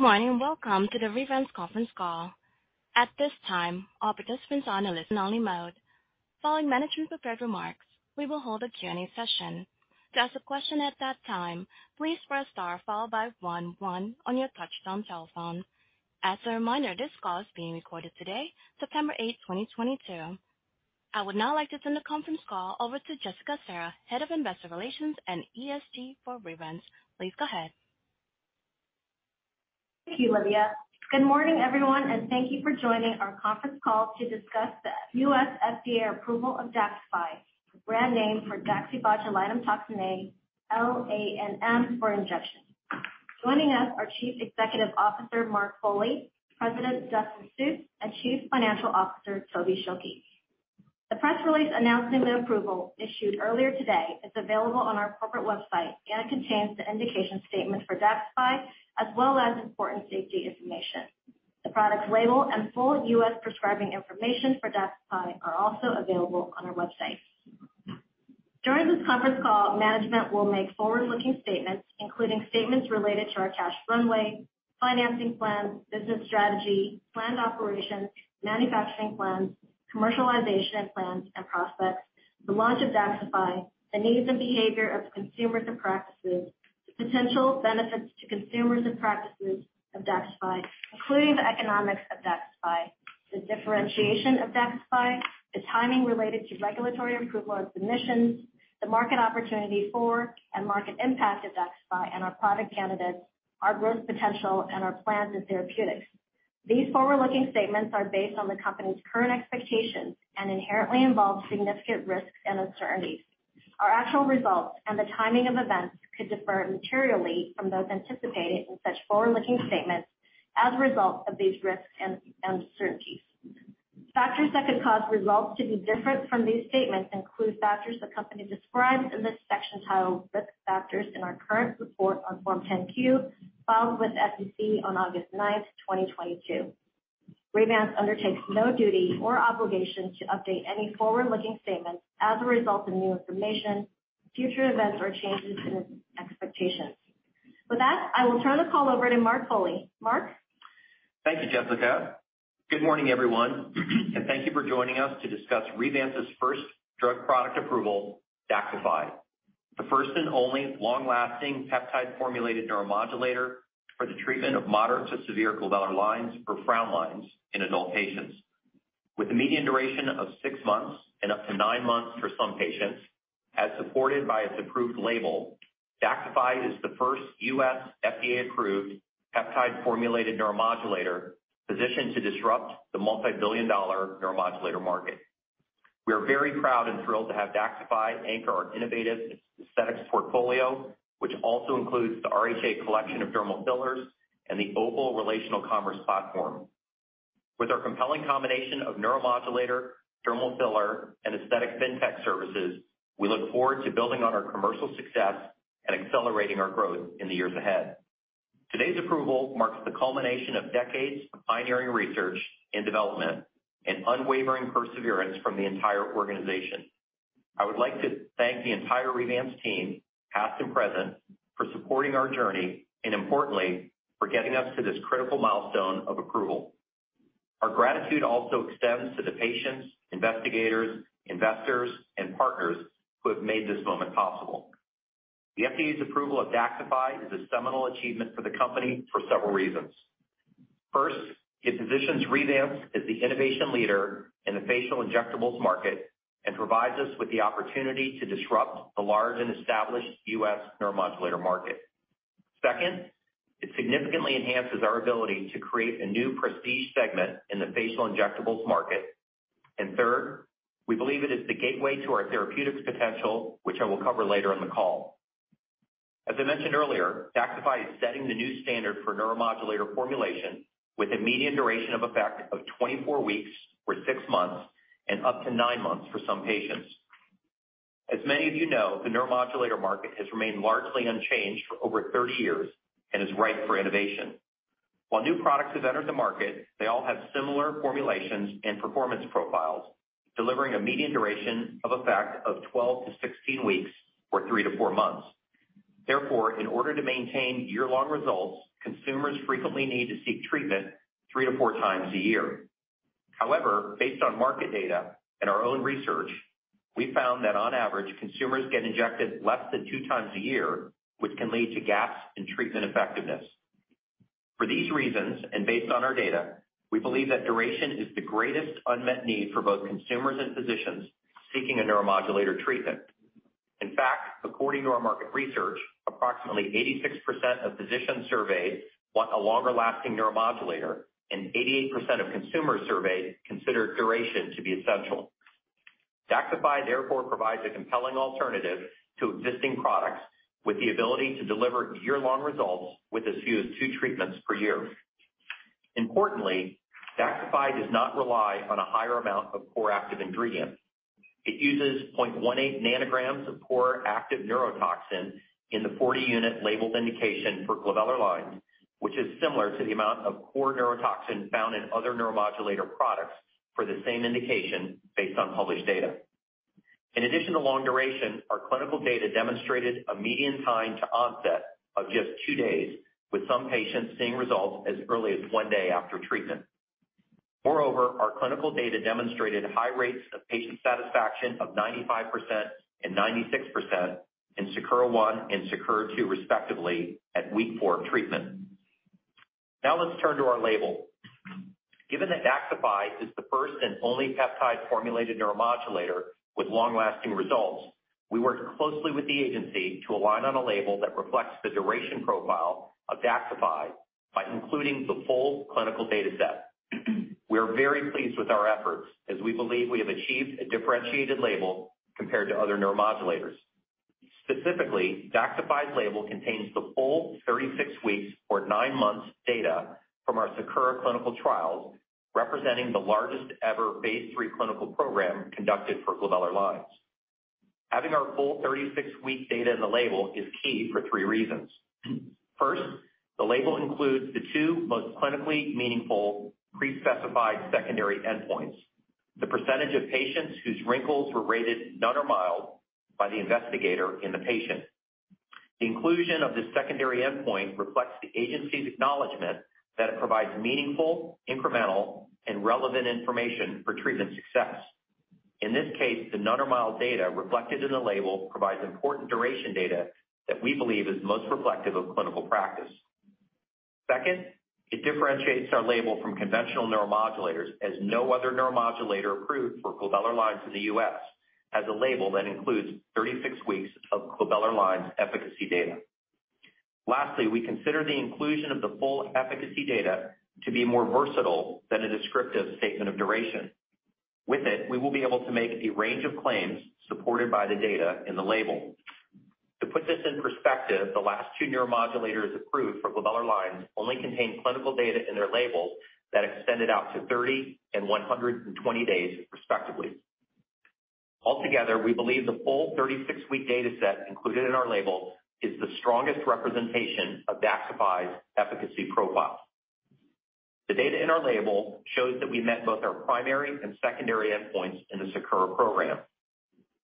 Good morning, and welcome to the Revance conference call. At this time, all participants are in a listen-only mode. Following management's prepared remarks, we will hold a Q&A session. To ask a question at that time, please press star followed by one one on your touchtone cell phone. As a reminder, this call is being recorded today, September 8th, 2022. I would now like to turn the conference call over to Jessica Serra, Head of Investor Relations and ESG for Revance. Please go ahead. Thank you, Olivia. Good morning, everyone, and thank you for joining our conference call to discuss the U.S. FDA approval of DAXXIFY, the brand name for DaxibotulinumtoxinA-lanm for injection. Joining us are Chief Executive Officer Mark Foley, President Dustin Sjuts, and Chief Financial Officer Tobin Schilke. The press release announcing the approval issued earlier today is available on our corporate website and contains the indication statement for DAXXIFY as well as important safety information. The product label and full U.S. prescribing information for DAXXIFY are also available on our website. During this conference call, management will make forward-looking statements, including statements related to our cash runway, financing plans, business strategy, planned operations, manufacturing plans, commercialization plans and prospects, the launch of DAXXIFY, the needs and behavior of consumers and practices, the potential benefits to consumers and practices of DAXXIFY, including the economics of DAXXIFY, the differentiation of DAXXIFY, the timing related to regulatory approval and submissions, the market opportunity for and market impact of DAXXIFY and our product candidates, our growth potential, and our plans in therapeutics. These forward-looking statements are based on the company's current expectations and inherently involve significant risks and uncertainties. Our actual results and the timing of events could differ materially from those anticipated in such forward-looking statements as a result of these risks and uncertainties. Factors that could cause results to be different from these statements include factors the company describes in this section titled Risk Factors in our current report on Form 10-Q filed with SEC on August 9, 2022. Revance undertakes no duty or obligation to update any forward-looking statements as a result of new information, future events or changes in expectations. With that, I will turn the call over to Mark Foley. Mark? Thank you, Jessica. Good morning, everyone, and thank you for joining us to discuss Revance's first drug product approval, DAXXIFY, the first and only long-lasting peptide-formulated neuromodulator for the treatment of moderate to severe glabellar lines or frown lines in adult patients. With a median duration of six months and up to nine months for some patients, as supported by its approved label, DAXXIFY is the first U.S. FDA-approved peptide-formulated neuromodulator positioned to disrupt the multibillion-dollar neuromodulator market. We are very proud and thrilled to have DAXXIFY anchor our innovative aesthetics portfolio, which also includes the RHA® Collection of dermal fillers and the OPUL Relational Commerce platform. With our compelling combination of neuromodulator, dermal filler, and aesthetic fintech services, we look forward to building on our commercial success and accelerating our growth in the years ahead. Today's approval marks the culmination of decades of pioneering research and development and unwavering perseverance from the entire organization. I would like to thank the entire Revance team, past and present, for supporting our journey, and importantly, for getting us to this critical milestone of approval. Our gratitude also extends to the patients, investigators, investors and partners who have made this moment possible. The FDA's approval of DAXXIFY is a seminal achievement for the company for several reasons. First, it positions Revance as the innovation leader in the facial injectables market and provides us with the opportunity to disrupt the large and established U.S. neuromodulator market. Second, it significantly enhances our ability to create a new prestige segment in the facial injectables market. Third, we believe it is the gateway to our therapeutics potential, which I will cover later in the call. As I mentioned earlier, DAXXIFY is setting the new standard for neuromodulator formulation with a median duration of effect of 24 weeks or six months and up to nine months for some patients. As many of you know, the neuromodulator market has remained largely unchanged for over 30 years and is ripe for innovation. While new products have entered the market, they all have similar formulations and performance profiles, delivering a median duration of effect of 12-16 weeks or three-four months. Therefore, in order to maintain year-long results, consumers frequently need to seek treatment 3-4 times a year. However, based on market data and our own research, we found that on average, consumers get injected less than two times a year, which can lead to gaps in treatment effectiveness. For these reasons, and based on our data, we believe that duration is the greatest unmet need for both consumers and physicians seeking a neuromodulator treatment. In fact, according to our market research, approximately 86% of physicians surveyed want a longer-lasting neuromodulator, and 88% of consumers surveyed considered duration to be essential. DAXXIFY therefore provides a compelling alternative to existing products with the ability to deliver year-long results with as few as treatments per year. Importantly, DAXXIFY does not rely on a higher amount of core active ingredient. It uses 0.18 nanograms of core active neurotoxin in the 40-unit labeled indication for glabellar lines, which is similar to the amount of core neurotoxin found in other neuromodulator products for the same indication based on published data. In addition to long duration, our clinical data demonstrated a median time to onset of just two days, with some patients seeing results as early as 1 day after treatment. Moreover, our clinical data demonstrated high rates of patient satisfaction of 95% and 96% in SAKURA 1 and SAKURA 2 respectively at week 4 of treatment. Now let's turn to our label. Given that DAXXIFY is the first and only peptide-formulated neuromodulator with long-lasting results, we worked closely with the agency to align on a label that reflects the duration profile of DAXXIFY by including the full clinical data set. We are very pleased with our efforts as we believe we have achieved a differentiated label compared to other neuromodulators. Specifically, DAXXIFY's label contains the full 36 weeks or nine months data from our SECURE clinical trials, representing the largest ever phase 3 clinical program conducted for glabellar lines. Having our full 36 week data in the label is key for three reasons. First, the label includes the two most clinically meaningful pre-specified secondary endpoints. The percentage of patients whose wrinkles were rated none or mild by the investigator and the patient. The inclusion of this secondary endpoint reflects the agency's acknowledgment that it provides meaningful, incremental, and relevant information for treatment success. In this case, the none or mild data reflected in the label provides important duration data that we believe is most reflective of clinical practice. Second, it differentiates our label from conventional neuromodulators as no other neuromodulator approved for glabellar lines in the U.S. has a label that includes 36 weeks of glabellar lines efficacy data. Lastly, we consider the inclusion of the full efficacy data to be more versatile than a descriptive statement of duration. With it, we will be able to make a range of claims supported by the data in the label. To put this in perspective, the last two neuromodulators approved for glabellar lines only contain clinical data in their labels that extended out to 30 and 120 days respectively. Altogether, we believe the full 36-week data set included in our label is the strongest representation of DAXXIFY's efficacy profile. The data in our label shows that we met both our primary and secondary endpoints in the SECURE program.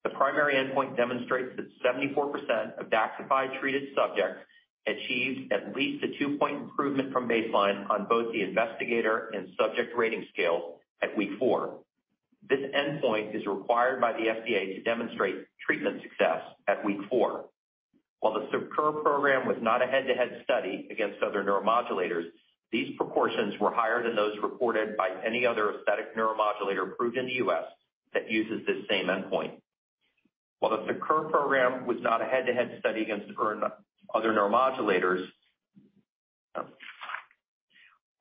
The primary endpoint demonstrates that 74% of DAXXIFY-treated subjects achieved at least a two-point improvement from baseline on both the investigator and subject rating scale at week 4. This endpoint is required by the FDA to demonstrate treatment success at week 4. While the SECURE program was not a head-to-head study against other neuromodulators, these proportions were higher than those reported by any other aesthetic neuromodulator approved in the U.S. that uses this same endpoint.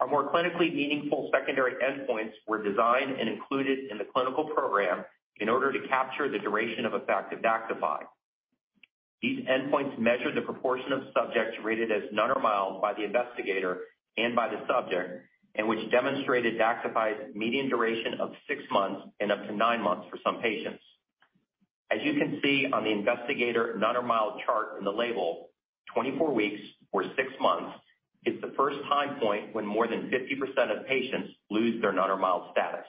Our more clinically meaningful secondary endpoints were designed and included in the clinical program in order to capture the duration of effect of DAXXIFY. These endpoints measured the proportion of subjects rated as none or mild by the investigator and by the subject, and which demonstrated DAXXIFY's median duration of six months and up to nine months for some patients. As you can see on the investigator none or mild chart in the label, 24 weeks or six months is the first time point when more than 50% of patients lose their none or mild status.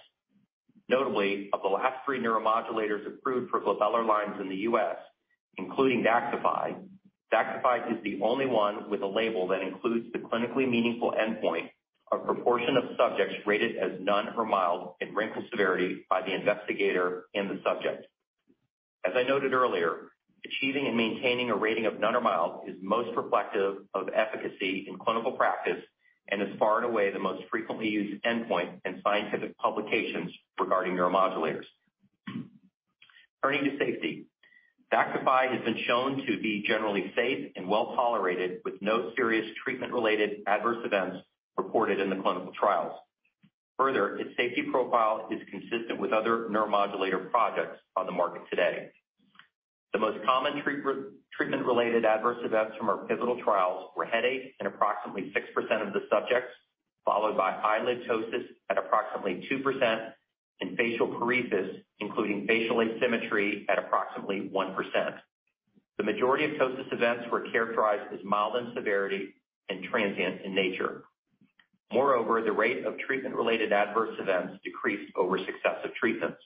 Notably, of the last three neuromodulators approved for glabellar lines in the U.S., including DAXXIFY is the only one with a label that includes the clinically meaningful endpoint of proportion of subjects rated as none or mild in wrinkle severity by the investigator and the subject. As I noted earlier, achieving and maintaining a rating of none or mild is most reflective of efficacy in clinical practice and is far and away the most frequently used endpoint in scientific publications regarding neuromodulators. Turning to safety, DAXXIFY has been shown to be generally safe and well-tolerated, with no serious treatment-related adverse events reported in the clinical trials. Further, its safety profile is consistent with other neuromodulator products on the market today. The most common treatment-related adverse events from our pivotal trials were headaches in approximately 6% of the subjects, followed by eyelid ptosis at approximately 2% and facial paresthesias, including facial asymmetry at approximately 1%. The majority of ptosis events were characterized as mild in severity and transient in nature. Moreover, the rate of treatment-related adverse events decreased over successive treatments.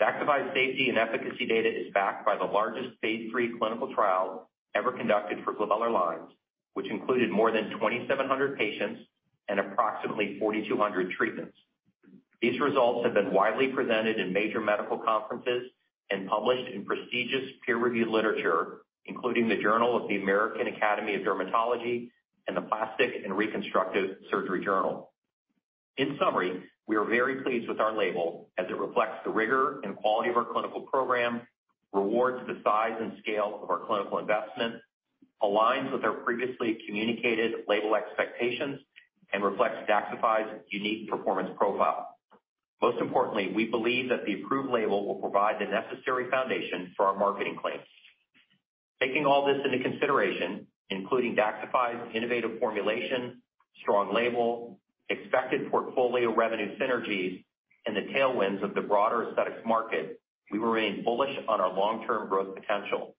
DAXXIFY's safety and efficacy data is backed by the largest phase 3 clinical trial ever conducted for glabellar lines, which included more than 2,700 patients and approximately 4,200 treatments. These results have been widely presented in major medical conferences and published in prestigious peer-reviewed literature, including the Journal of the American Academy of Dermatology and the Plastic and Reconstructive Surgery Journal. In summary, we are very pleased with our label as it reflects the rigor and quality of our clinical program, rewards the size and scale of our clinical investment, aligns with our previously communicated label expectations, and reflects DAXXIFY's unique performance profile. Most importantly, we believe that the approved label will provide the necessary foundation for our marketing claims. Taking all this into consideration, including DAXXIFY's innovative formulation, strong label, expected portfolio revenue synergies, and the tailwinds of the broader aesthetics market, we remain bullish on our long-term growth potential.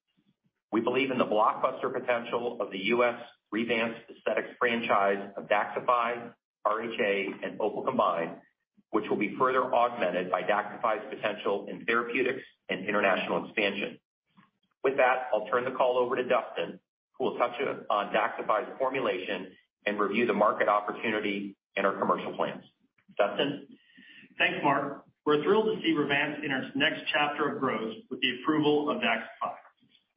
We believe in the blockbuster potential of the U.S. Revance Aesthetics franchise of DAXXIFY, RHA, and OPUL combined, which will be further augmented by DAXXIFY's potential in therapeutics and international expansion. With that, I'll turn the call over to Dustin, who will touch on DAXXIFY's formulation and review the market opportunity and our commercial plans. Dustin? Thanks, Mark. We're thrilled to see Revance in its next chapter of growth with the approval of DAXXIFY.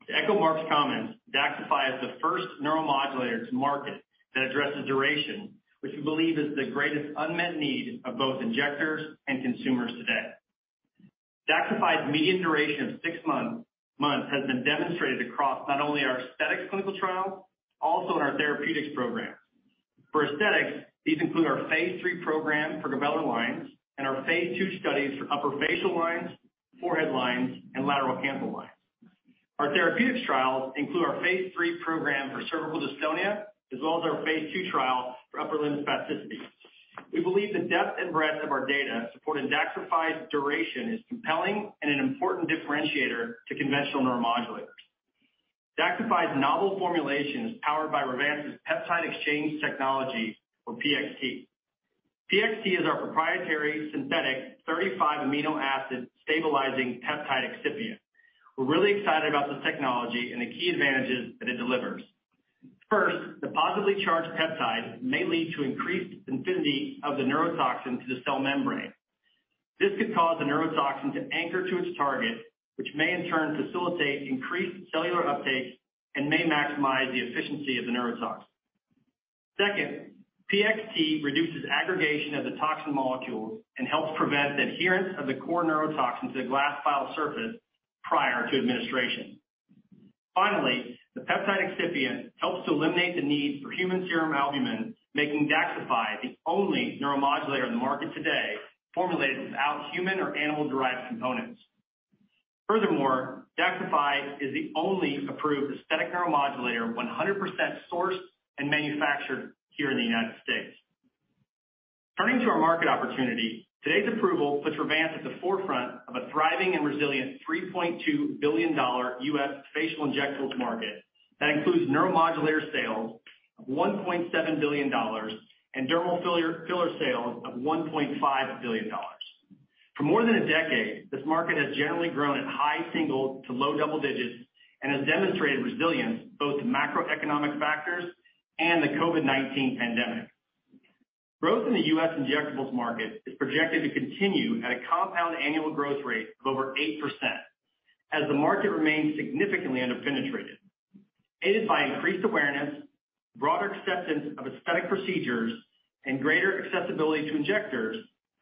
To echo Mark's comments, DAXXIFY is the first neuromodulator to market that addresses duration, which we believe is the greatest unmet need of both injectors and consumers today. DAXXIFY's median duration of six months has been demonstrated across not only our aesthetics clinical trial, also in our therapeutics program. For aesthetics, these include our phase III program for glabellar lines and our phase II studies for upper facial lines, forehead lines, and lateral canthal lines. Our therapeutics trials include our phase III program for cervical dystonia, as well as our phase II trial for upper limb spasticity. We believe the depth and breadth of our data supporting DAXXIFY's duration is compelling and an important differentiator to conventional neuromodulators. DAXXIFY's novel formulation is powered by Revance's peptide exchange technology or PXT. PXT is our proprietary synthetic 35 amino acid stabilizing peptide excipient. We're really excited about this technology and the key advantages that it delivers. First, the positively charged peptide may lead to increased affinity of the neurotoxin to the cell membrane. This could cause the neurotoxin to anchor to its target, which may in turn facilitate increased cellular uptake and may maximize the efficiency of the neurotoxin. Second, PXT reduces aggregation of the toxin molecule and helps prevent adherence of the core neurotoxin to the glass vial surface prior to administration. Finally, the peptide excipient helps to eliminate the need for human serum albumin, making DAXXIFY the only neuromodulator in the market today formulated without human or animal-derived components. Furthermore, DAXXIFY is the only approved aesthetic neuromodulator 100% sourced and manufactured here in the United States. Turning to our market opportunity, today's approval puts Revance at the forefront of a thriving and resilient $3.2 billion U.S. facial injectables market that includes neuromodulator sales of $1.7 billion and dermal filler sales of $1.5 billion. For more than a decade, this market has generally grown at high single- to low double-digit % and has demonstrated resilience both in macroeconomic factors and the COVID-19 pandemic. Growth in the U.S. injectables market is projected to continue at a compound annual growth rate of over 8% as the market remains significantly under-penetrated. Aided by increased awareness, broader acceptance of aesthetic procedures, and greater accessibility to injectors,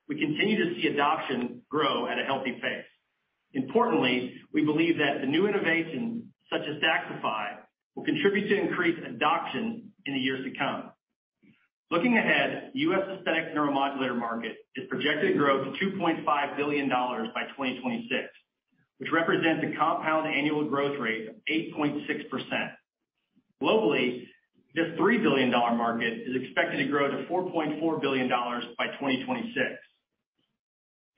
we continue to see adoption grow at a healthy pace. Importantly, we believe that the new innovations such as DAXXIFY will contribute to increased adoption in the years to come. Looking ahead, U.S. aesthetic neuromodulator market is projected to grow to $2.5 billion by 2026, which represents a compound annual growth rate of 8.6%. Globally, this $3 billion market is expected to grow to $4.4 billion by 2026.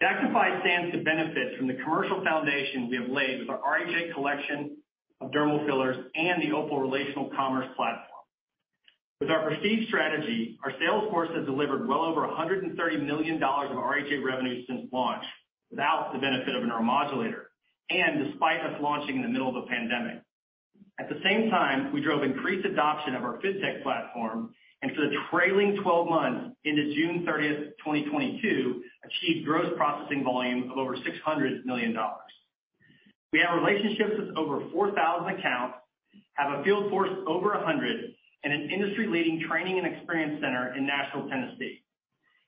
DAXXIFY stands to benefit from the commercial foundation we have laid with our RHA® Collection of dermal fillers and the OPUL relational commerce platform. With our perceived strategy, our sales force has delivered well over $130 million of RHA revenue since launch without the benefit of a neuromodulator and despite us launching in the middle of a pandemic. At the same time, we drove increased adoption of our FinTech platform, and for the trailing twelve months into June 30, 2022, achieved gross processing volume of over $600 million. We have relationships with over 4,000 accounts, have a field force over 100, and an industry-leading training and experience center in Nashville, Tennessee.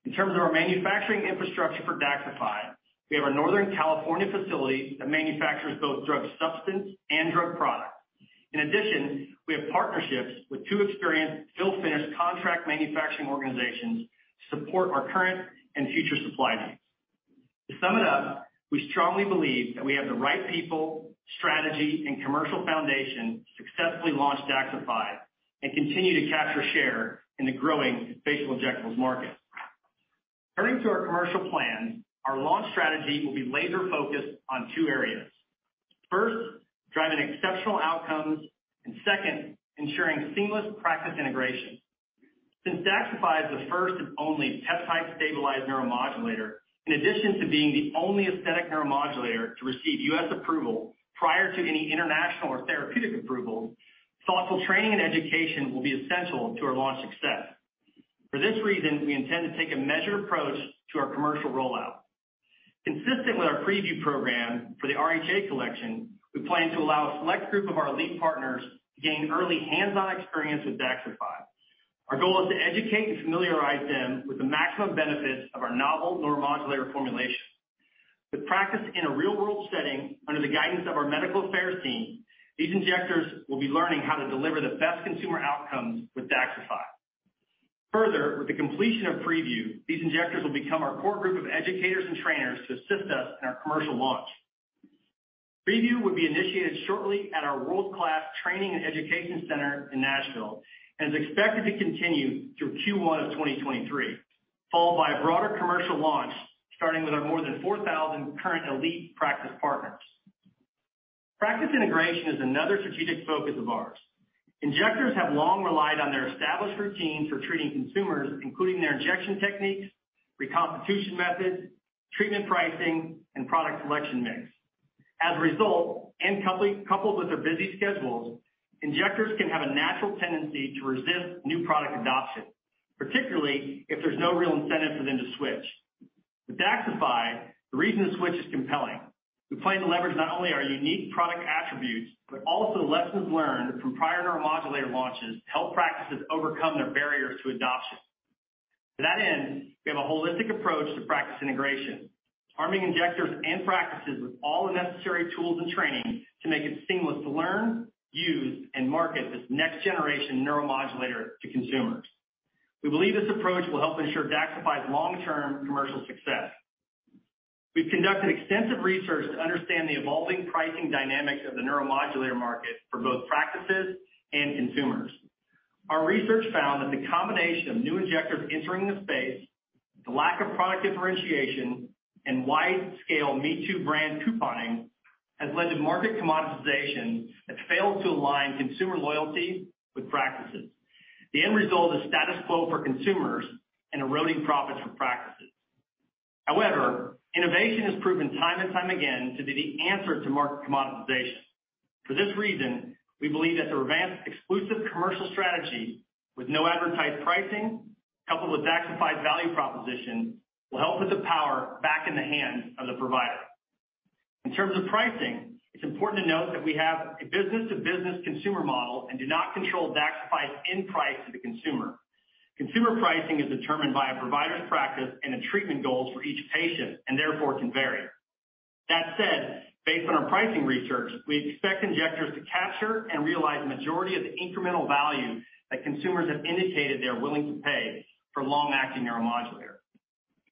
In terms of our manufacturing infrastructure for DAXXIFY, we have our Northern California facility that manufactures both drug substance and drug product. In addition, we have partnerships with two experienced fill-finish contract manufacturing organizations to support our current and future supply needs. To sum it up, we strongly believe that we have the right people, strategy, and commercial foundation to successfully launch DAXXIFY and continue to capture share in the growing facial injectables market. Turning to our commercial plan, our launch strategy will be laser-focused on two areas. First, driving exceptional outcomes, and second, ensuring seamless practice integration. Since DAXXIFY is the first and only peptide-stabilized neuromodulator, in addition to being the only aesthetic neuromodulator to receive U.S. approval prior to any international or therapeutic approval, thoughtful training and education will be essential to our launch success. For this reason, we intend to take a measured approach to our commercial rollout. Consistent with our preview program for the RHA® Collection, we plan to allow a select group of our elite partners to gain early hands-on experience with DAXXIFY. Our goal is to educate and familiarize them with the maximum benefits of our novel neuromodulator formulation. With practice in a real-world setting under the guidance of our medical affairs team, these injectors will be learning how to deliver the best consumer outcomes with DAXXIFY. Further, with the completion of preview, these injectors will become our core group of educators and trainers to assist us in our commercial launch. Preview will be initiated shortly at our world-class training and education center in Nashville and is expected to continue through Q1 of 2023, followed by a broader commercial launch, starting with our more than 4,000 current elite practice partners. Practice integration is another strategic focus of ours. Injectors have long relied on their established routines for treating consumers, including their injection techniques, reconstitution methods, treatment pricing, and product selection mix. As a result, coupled with their busy schedules, injectors can have a natural tendency to resist new product adoption, particularly if there's no real incentives for them to switch. With DAXXIFY, the reason to switch is compelling. We plan to leverage not only our unique product attributes, but also lessons learned from prior neuromodulator launches to help practices overcome their barriers to adoption. To that end, we have a holistic approach to practice integration, arming injectors and practices with all the necessary tools and training to make it seamless to learn, use, and market this next-generation neuromodulator to consumers. We believe this approach will help ensure DAXXIFY's long-term commercial success. We've conducted extensive research to understand the evolving pricing dynamics of the neuromodulator market for both practices and consumers. Our research found that the combination of new injectors entering the space, the lack of product differentiation, and wide-scale me-too brand couponing has led to market commoditization that's failed to align consumer loyalty with practices. The end result is status quo for consumers and eroding profits for practices. However, innovation has proven time and time again to be the answer to market commoditization. For this reason, we believe that Revance's exclusive commercial strategy with no advertised pricing, coupled with DAXXIFY's value proposition, will help put the power back in the hands of the provider. In terms of pricing, it's important to note that we have a business-to-business consumer model and do not control DAXXIFY's end price to the consumer. Consumer pricing is determined by a provider's practice and the treatment goals for each patient, and therefore can vary. That said, based on our pricing research, we expect injectors to capture and realize the majority of the incremental value that consumers have indicated they are willing to pay for long-acting neuromodulator.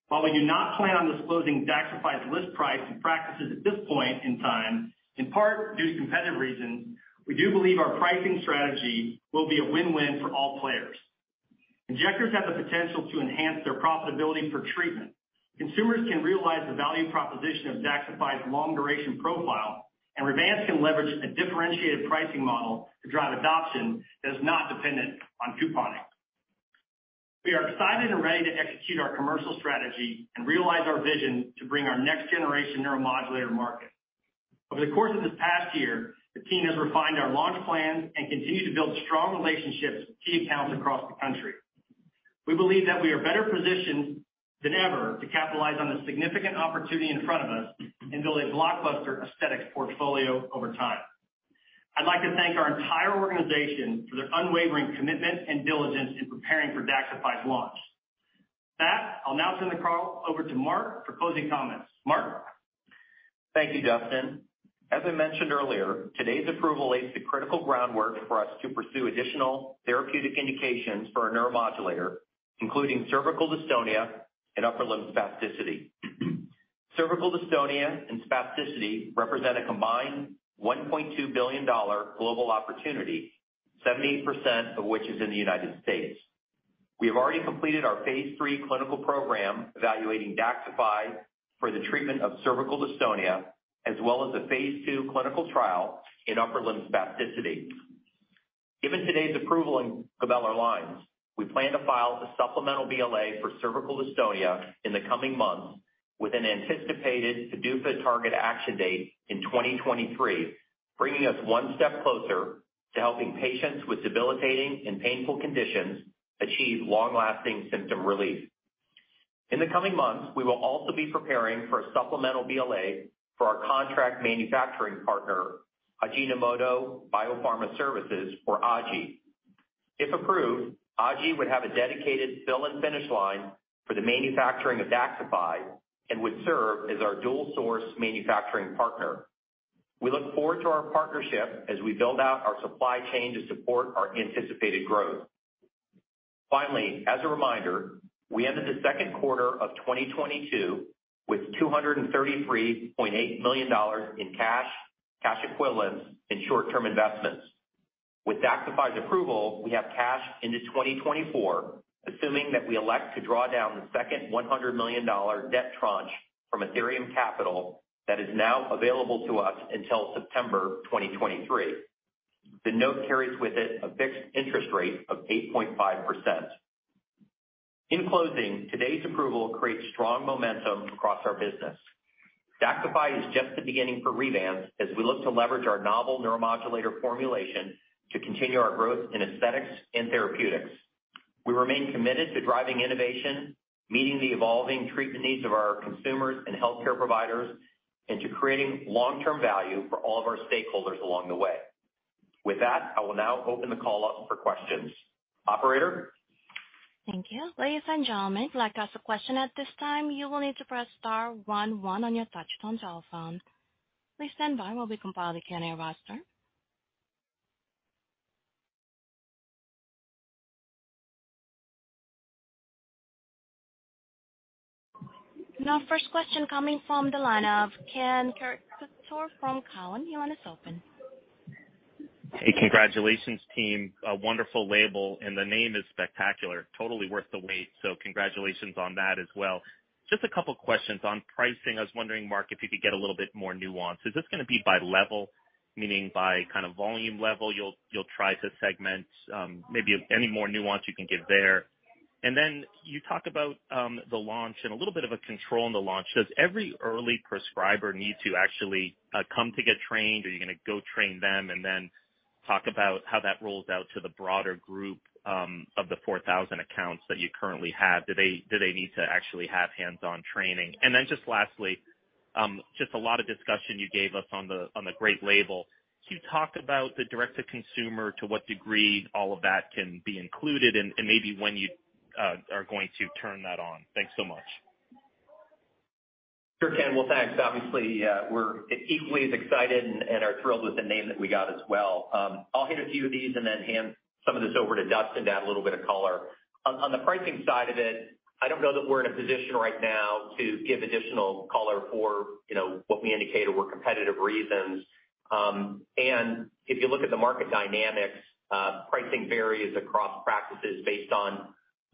While we do not plan on disclosing DAXXIFY's list price to practices at this point in time, in part due to competitive reasons, we do believe our pricing strategy will be a win-win for all players. Injectors have the potential to enhance their profitability per treatment. Consumers can realize the value proposition of DAXXIFY's long-duration profile, and Revance can leverage a differentiated pricing model to drive adoption that is not dependent on couponing. We are excited and ready to execute our commercial strategy and realize our vision to bring our next-generation neuromodulator to market. Over the course of this past year, the team has refined our launch plan and continued to build strong relationships with key accounts across the country. We believe that we are better positioned than ever to capitalize on the significant opportunity in front of us and build a blockbuster aesthetics portfolio over time. I'd like to thank our entire organization for their unwavering commitment and diligence in preparing for DAXXIFY's launch. With that, I'll now turn the call over to Mark for closing comments. Mark? Thank you, Dustin. As I mentioned earlier, today's approval lays the critical groundwork for us to pursue additional therapeutic indications for our neuromodulator, including cervical dystonia and upper limb spasticity. Cervical dystonia and spasticity represent a combined $1.2 billion global opportunity, 78% of which is in the United States. We have already completed our phase III clinical program evaluating DAXXIFY for the treatment of cervical dystonia, as well as a phase II clinical trial in upper limb spasticity. Given today's approval in glabellar lines, we plan to file the supplemental BLA for cervical dystonia in the coming months with an anticipated PDUFA target action date in 2023, bringing us one step closer to helping patients with debilitating and painful conditions achieve long-lasting symptom relief. In the coming months, we will also be preparing for a supplemental BLA for our contract manufacturing partner, Ajinomoto Bio-Pharma Services or AJI. If approved, AJI would have a dedicated fill and finish line for the manufacturing of DAXXIFY and would serve as our dual source manufacturing partner. We look forward to our partnership as we build out our supply chain to support our anticipated growth. Finally, as a reminder, we ended the second quarter of 2022 with $233.8 million in cash equivalents, and short-term investments. With DAXXIFY's approval, we have cash into 2024, assuming that we elect to draw down the second $100 million debt tranche from Athyrium Capital Management that is now available to us until September 2023. The note carries with it a fixed interest rate of 8.5%. In closing, today's approval creates strong momentum across our business. DAXXIFY is just the beginning for Revance as we look to leverage our novel neuromodulator formulation to continue our growth in aesthetics and therapeutics. We remain committed to driving innovation, meeting the evolving treatment needs of our consumers and healthcare providers, and to creating long-term value for all of our stakeholders along the way. With that, I will now open the call up for questions. Operator? Thank you. Ladies and gentlemen, if you'd like to ask a question at this time, you will need to press star one one on your touch-tone telephone. Please stand by while we compile the Q&A roster. Now first question coming from the line of Ken Cacciatore from Cowen. Your line is open. Hey, congratulations team, a wonderful label, and the name is spectacular. Totally worth the wait, so congratulations on that as well. Just a couple questions on pricing. I was wondering, Mark, if you could get a little bit more nuance. Is this gonna be by level, meaning by kind of volume level, you'll try to segment, maybe any more nuance you can give there. You talk about the launch and a little bit of a control on the launch. Does every early prescriber need to actually come to get trained, or are you gonna go train them, and then talk about how that rolls out to the broader group of the 4,000 accounts that you currently have? Do they need to actually have hands-on training? Just lastly, just a lot of discussion you gave us on the glabellar label. Can you talk about the direct-to-consumer, to what degree all of that can be included and maybe when you are going to turn that on. Thanks so much. Sure Ken. Well, thanks. Obviously, we're equally as excited and are thrilled with the name that we got as well. I'll hit a few of these and then hand some of this over to Dustin to add a little bit of color. On the pricing side of it, I don't know that we're in a position right now to give additional color for, you know, what we indicated were competitive reasons. If you look at the market dynamics, pricing varies across practices based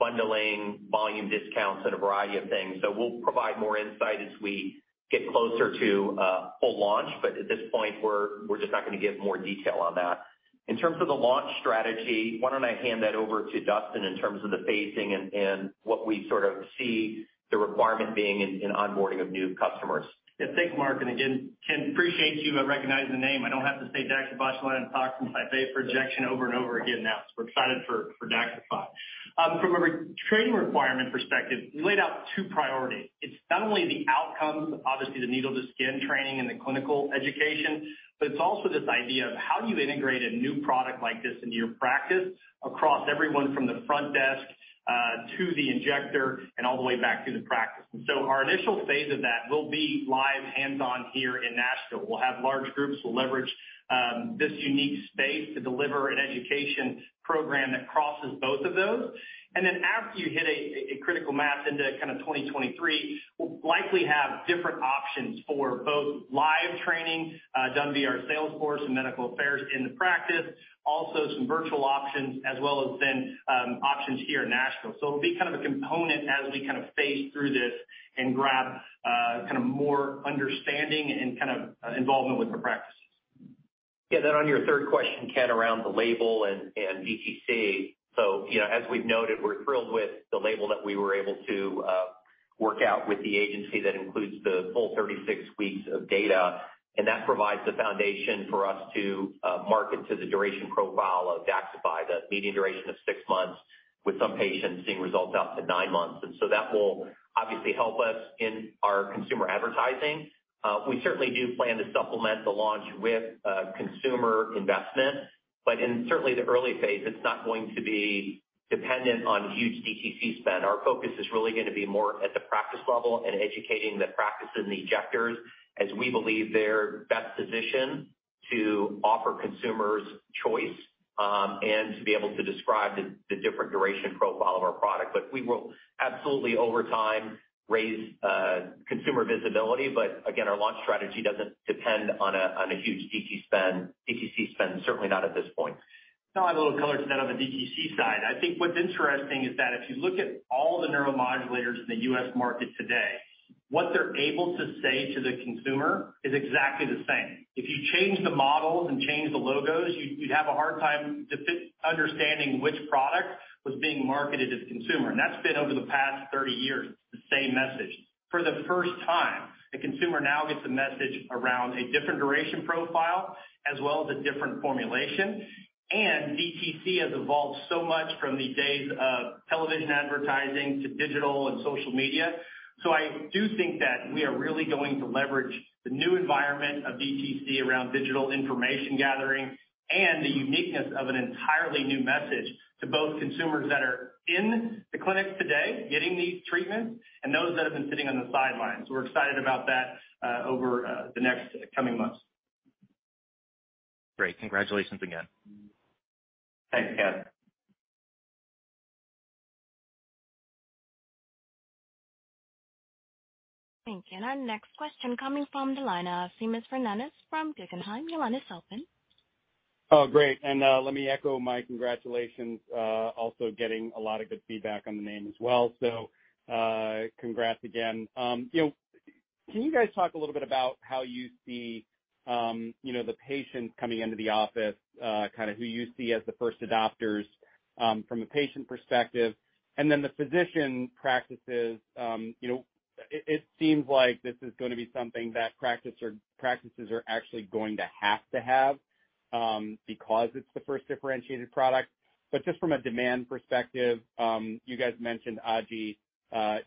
on bundling, volume discounts and a variety of things. We'll provide more insight as we get closer to full launch, but at this point, we're just not gonna give more detail on that. In terms of the launch strategy, why don't I hand that over to Dustin in terms of the phasing and what we sort of see the requirement being in onboarding of new customers. Yeah. Thanks, Mark. Again, Ken, appreciate you recognizing the name. I don't have to say DaxibotulinumtoxinA for Injection over and over again now. We're excited for DAXXIFY. From a re-training requirement perspective, we laid out two priorities. It's not only the outcomes, obviously the needle to skin training and the clinical education, but it's also this idea of how do you integrate a new product like this into your practice across everyone from the front desk to the injector and all the way back to the practice. Our initial phase of that will be live hands-on here in Nashville. We'll have large groups. We'll leverage this unique space to deliver an education program that crosses both of those. After you hit a critical mass into kind of 2023, we'll likely have different options for both live training done via our sales force and medical affairs in the practice, also some virtual options as well as then options here in Nashville. It'll be kind of a component as we kind of phase through this and grab kind of more understanding and kind of involvement with the practices. Yeah. On your third question, Ken, around the label and DTC, you know, as we've noted, we're thrilled with the label that we were able to work out with the agency that includes the full 36 weeks of data, and that provides the foundation for us to market to the duration profile of DAXXIFY, the median duration of six months with some patients seeing results up to nine months. That will obviously help us in our consumer advertising. We certainly do plan to supplement the launch with consumer investment, but certainly in the early phase, it's not going to be dependent on huge DTC spend. Our focus is really gonna be more at the practice level and educating the practices and the injectors, as we believe they're best positioned to offer consumers choice, and to be able to describe the different duration profile of our product. We will absolutely over time raise consumer visibility, but again, our launch strategy doesn't depend on a huge DTC spend, certainly not at this point. Can I add a little color to that on the DTC side? I think what's interesting is that if you look at all the neuromodulators in the U.S. market today, what they're able to say to the consumer is exactly the same. If you change the models and change the logos, you'd have a hard time understanding which product was being marketed to the consumer. That's been over the past 30 years, the same message. For the first time, the consumer now gets a message around a different duration profile as well as a different formulation, and DTC has evolved so much from the days of television advertising to digital and social media. I do think that we are really going to leverage the new environment of DTC around digital information gathering and the uniqueness of an entirely new message to both consumers that are in the clinics today getting these treatments and those that have been sitting on the sidelines. We're excited about that, over the next coming months. Great. Congratulations again. Thanks, Ken. Thank you. Our next question coming from the line of Seamus Fernandez from Guggenheim. Your line is open. Oh, great. Let me echo my congratulations, also getting a lot of good feedback on the name as well. Congrats again. You know, can you guys talk a little bit about how you see, you know, the patients coming into the office, kind of who you see as the first adopters, from a patient perspective, and then the physician practices, you know, it seems like this is gonna be something that practice or practices are actually going to have to have, because it's the first differentiated product. Just from a demand perspective, you guys mentioned AJI,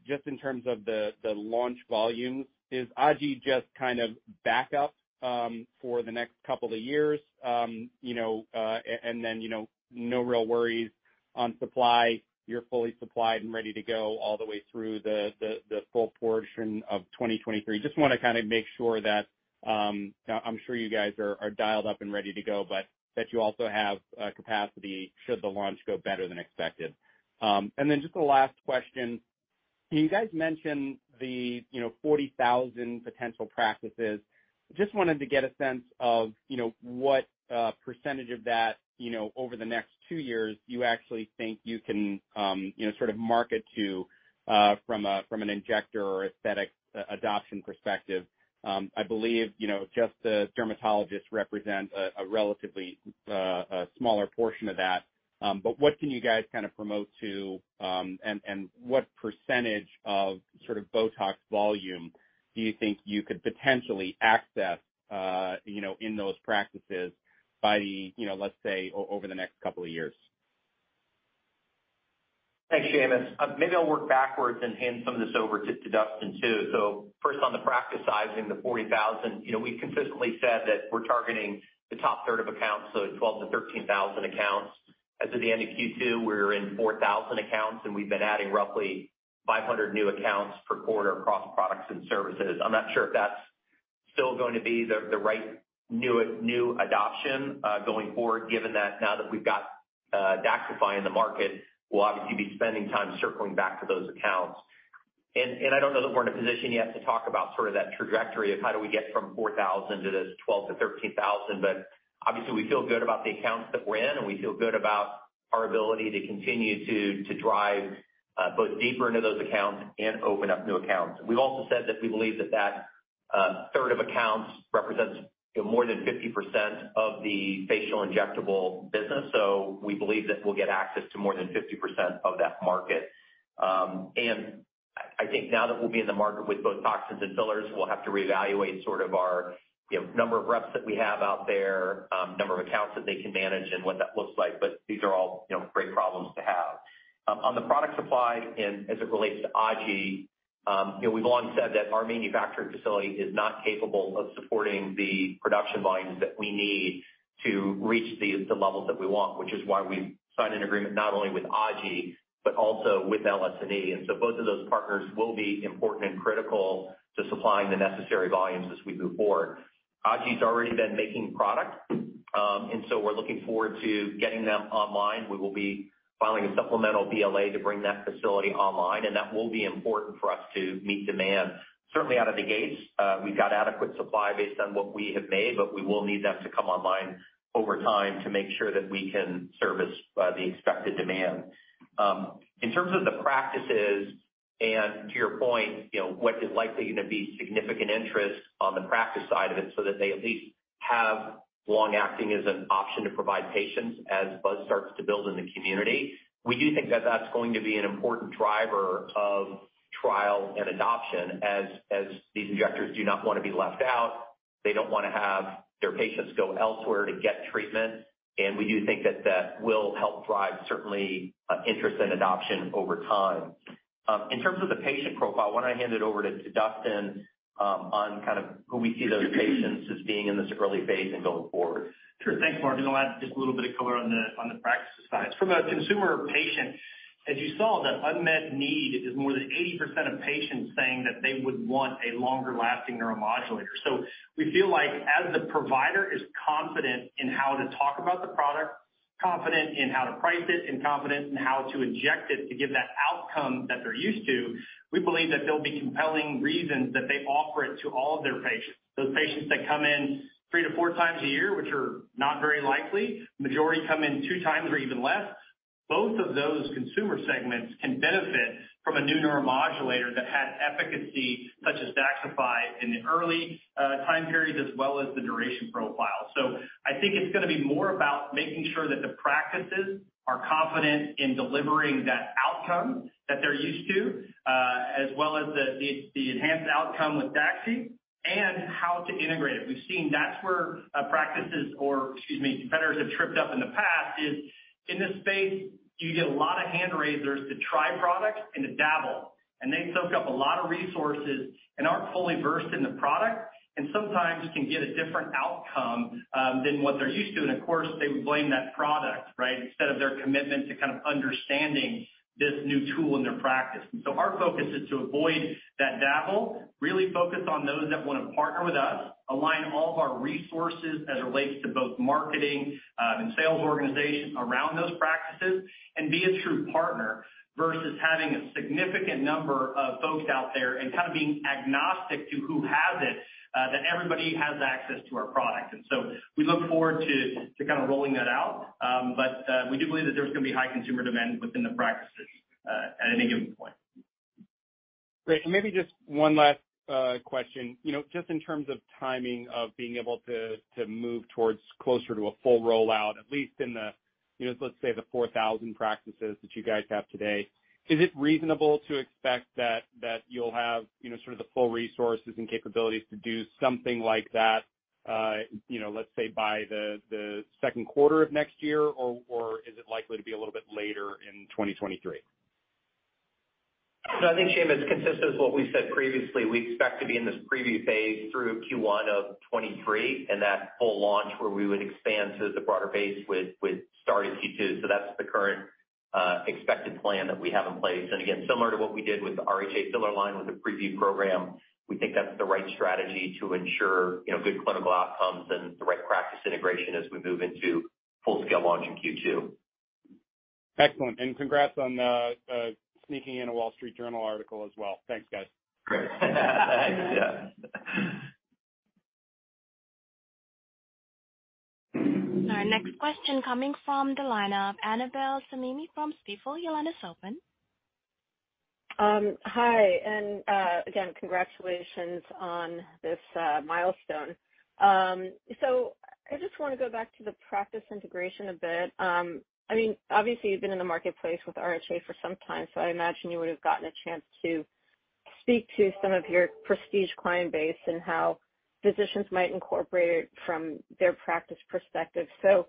just in terms of the launch volumes, is AJI just kind of back up for the next couple of years, you know, and then, you know, no real worries on supply, you're fully supplied and ready to go all the way through the full portion of 2023? Just wanna kinda make sure that now I'm sure you guys are dialed up and ready to go, but that you also have capacity should the launch go better than expected. Then just the last question. You guys mentioned the, you know, 40,000 potential practices. Just wanted to get a sense of, you know, what percentage of that, you know, over the next two years you actually think you can, you know, sort of market to, from an injector or aesthetic adoption perspective. I believe, you know, just the dermatologists represent a relatively smaller portion of that. What can you guys kind of promote to, and what percentage of sort of BOTOX volume do you think you could potentially access, you know, in those practices by the, you know, let's say over the next couple of years? Thanks, Seamus. Maybe I'll work backwards and hand some of this over to Dustin too. First, on the practice sizing, the 40,000. You know, we've consistently said that we're targeting the top third of accounts, so 12,000-13,000 accounts. As of the end of Q2, we were in 4,000 accounts, and we've been adding roughly 500 new accounts per quarter across products and services. I'm not sure if that's still going to be the right new adoption going forward, given that now that we've got DAXXIFY in the market, we'll obviously be spending time circling back to those accounts. I don't know that we're in a position yet to talk about sort of that trajectory of how do we get from 4,000 to those 12,000-13,000. Obviously, we feel good about the accounts that we're in, and we feel good about our ability to continue to drive both deeper into those accounts and open up new accounts. We've also said that we believe that 1/3 of accounts represents, you know, more than 50% of the facial injectable business. We believe that we'll get access to more than 50% of that market. I think now that we'll be in the market with both toxins and fillers, we'll have to reevaluate sort of our, you know, number of reps that we have out there, number of accounts that they can manage and what that looks like, but these are all, you know, great problems to have. On the product supply and as it relates to Aji, you know, we've long said that our manufacturing facility is not capable of supporting the production volumes that we need to reach the levels that we want, which is why we signed an agreement not only with Aji, but also with LSNE. Both of those partners will be important and critical to supplying the necessary volumes as we move forward. Aji's already been making product, and we're looking forward to getting them online. We will be filing a supplemental BLA to bring that facility online, and that will be important for us to meet demand. Certainly out of the gates, we've got adequate supply based on what we have made, but we will need them to come online over time to make sure that we can service the expected demand. In terms of the practices and to your point, you know, what is likely gonna be significant interest on the practice side of it so that they at least have long-acting as an option to provide patients as buzz starts to build in the community, we do think that that's going to be an important driver of trial and adoption as these injectors do not wanna be left out. They don't wanna have their patients go elsewhere to get treatment, and we do think that that will help drive certainly, interest and adoption over time. In terms of the patient profile, why don't I hand it over to Dustin, on kind of who we see those patients as being in this early phase and going forward. Sure. Thanks, Mark. I'll add just a little bit of color on the practices side. From a consumer patient, as you saw, the unmet need is more than 80% of patients saying that they would want a longer-lasting neuromodulator. We feel like as the provider is confident in how to talk about the product, confident in how to price it, and confident in how to inject it to give that outcome that they're used to, we believe that there'll be compelling reasons that they offer it to all of their patients. Those patients that come in 3-4 times a year, which are not very likely, majority come in two times or even less, both of those consumer segments can benefit from a new neuromodulator that has efficacy such as DAXXIFY in the early time periods as well as the duration profile. I think it's gonna be more about making sure that the practices are confident in delivering that outcome that they're used to, as well as the enhanced outcome with DAXI and how to integrate it. We've seen that's where practices, excuse me, competitors have tripped up in the past, is in this space you get a lot of hand raisers to try products and to dabble, and they soak up a lot of resources and aren't fully versed in the product and sometimes can get a different outcome than what they're used to. Of course, they blame that product, right, instead of their commitment to kind of understanding this new tool in their practice. Our focus is to avoid that dabble, really focus on those that wanna partner with us, align all of our resources as it relates to both marketing, and sales organization around those practices and be a true partner versus having a significant number of folks out there and kind of being agnostic to who has it, that everybody has access to our product. We look forward to kind of rolling that out. We do believe that there's gonna be high consumer demand within the practices at any given point. Great. Maybe just one last question. You know, just in terms of timing of being able to move towards closer to a full rollout, at least in the, you know, let's say the 4,000 practices that you guys have today, is it reasonable to expect that you'll have, you know, sort of the full resources and capabilities to do something like that, you know, let's say by the second quarter of next year, or is it likely to be a little bit later in 2023? I think, Seamus, consistent with what we said previously, we expect to be in this preview phase through Q1 of 2023, and that full launch where we would expand to the broader base would start in Q2. That's the current expected plan that we have in place. Again, similar to what we did with the RHA filler line with a preview program, we think that's the right strategy to ensure, you know, good clinical outcomes and the right practice integration as we move into full-scale launch in Q2. Excellent. Congrats on sneaking in a Wall Street Journal article as well. Thanks, guys. Great. Our next question coming from the line of Annabel Samimy from Stifel. Your line is open. Hi, again, congratulations on this milestone. I just wanna go back to the practice integration a bit. I mean, obviously you've been in the marketplace with RHA for some time, so I imagine you would have gotten a chance to speak to some of your Prestige client base and how physicians might incorporate it from their practice perspective. Do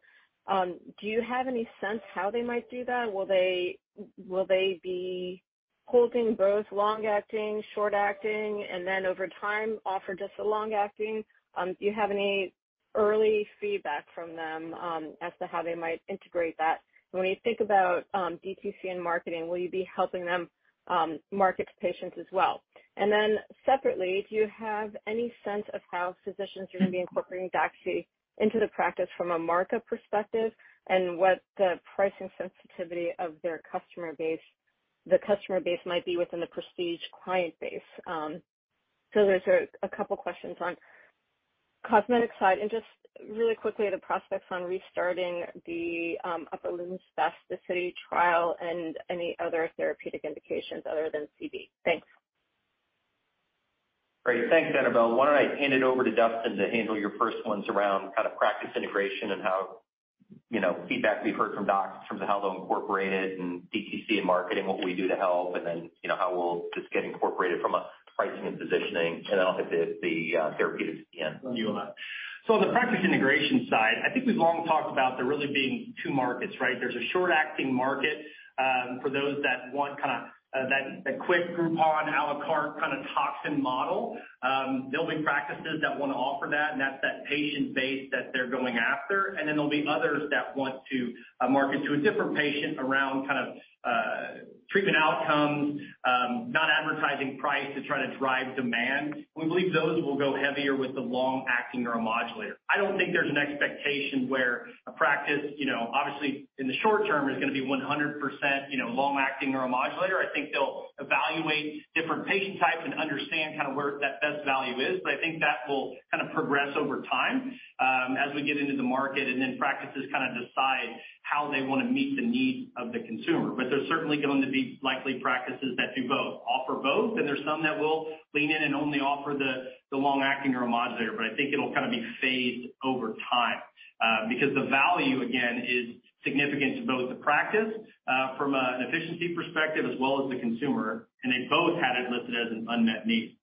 you have any sense how they might do that? Will they be holding both long-acting, short-acting, and then over time offer just the long-acting? Do you have any early feedback from them as to how they might integrate that? When you think about DTC and marketing, will you be helping them market to patients as well? Separately, do you have any sense of how physicians are gonna be incorporating DAXXIFY into the practice from a market perspective, and what the pricing sensitivity of their customer base might be within the prestige client base? Those are a couple questions on cosmetic side. Just really quickly, the prospects for restarting the upper limb spasticity trial and any other therapeutic indications other than CD. Thanks. Great. Thanks, Annabel. Why don't I hand it over to Dustin to handle your first ones around kind of practice integration and how, you know, feedback we've heard from docs in terms of how they'll incorporate it, and DTC and marketing, what we do to help, and then, you know, how we'll just get incorporated from a pricing and positioning. Then I'll hit the therapeutics at the end. On the practice integration side, I think we've long talked about there really being two markets, right? There's a short-acting market, for those that want kinda, that quick Groupon, a la carte kinda toxin model. There'll be practices that wanna offer that, and that's that patient base that they're going after. There'll be others that want to, market to a different patient around kind of, treatment outcomes, not advertising price to try to drive demand. We believe those will go heavier with the long-acting neuromodulator. I don't think there's an expectation where a practice, you know, obviously in the short term is gonna be 100%, you know, long-acting neuromodulator. I think they'll evaluate different patient types and understand kind of where that best value is. I think that will kind of progress over time, as we get into the market and then practices kinda decide how they wanna meet the needs of the consumer. There's certainly going to be likely practices that do both, offer both, and there's some that will lean in and only offer the long-acting neuromodulator. I think it'll kind of be phased over time, because the value again is significant to both the practice, from an efficiency perspective as well as the consumer, and they both had it listed as an unmet need.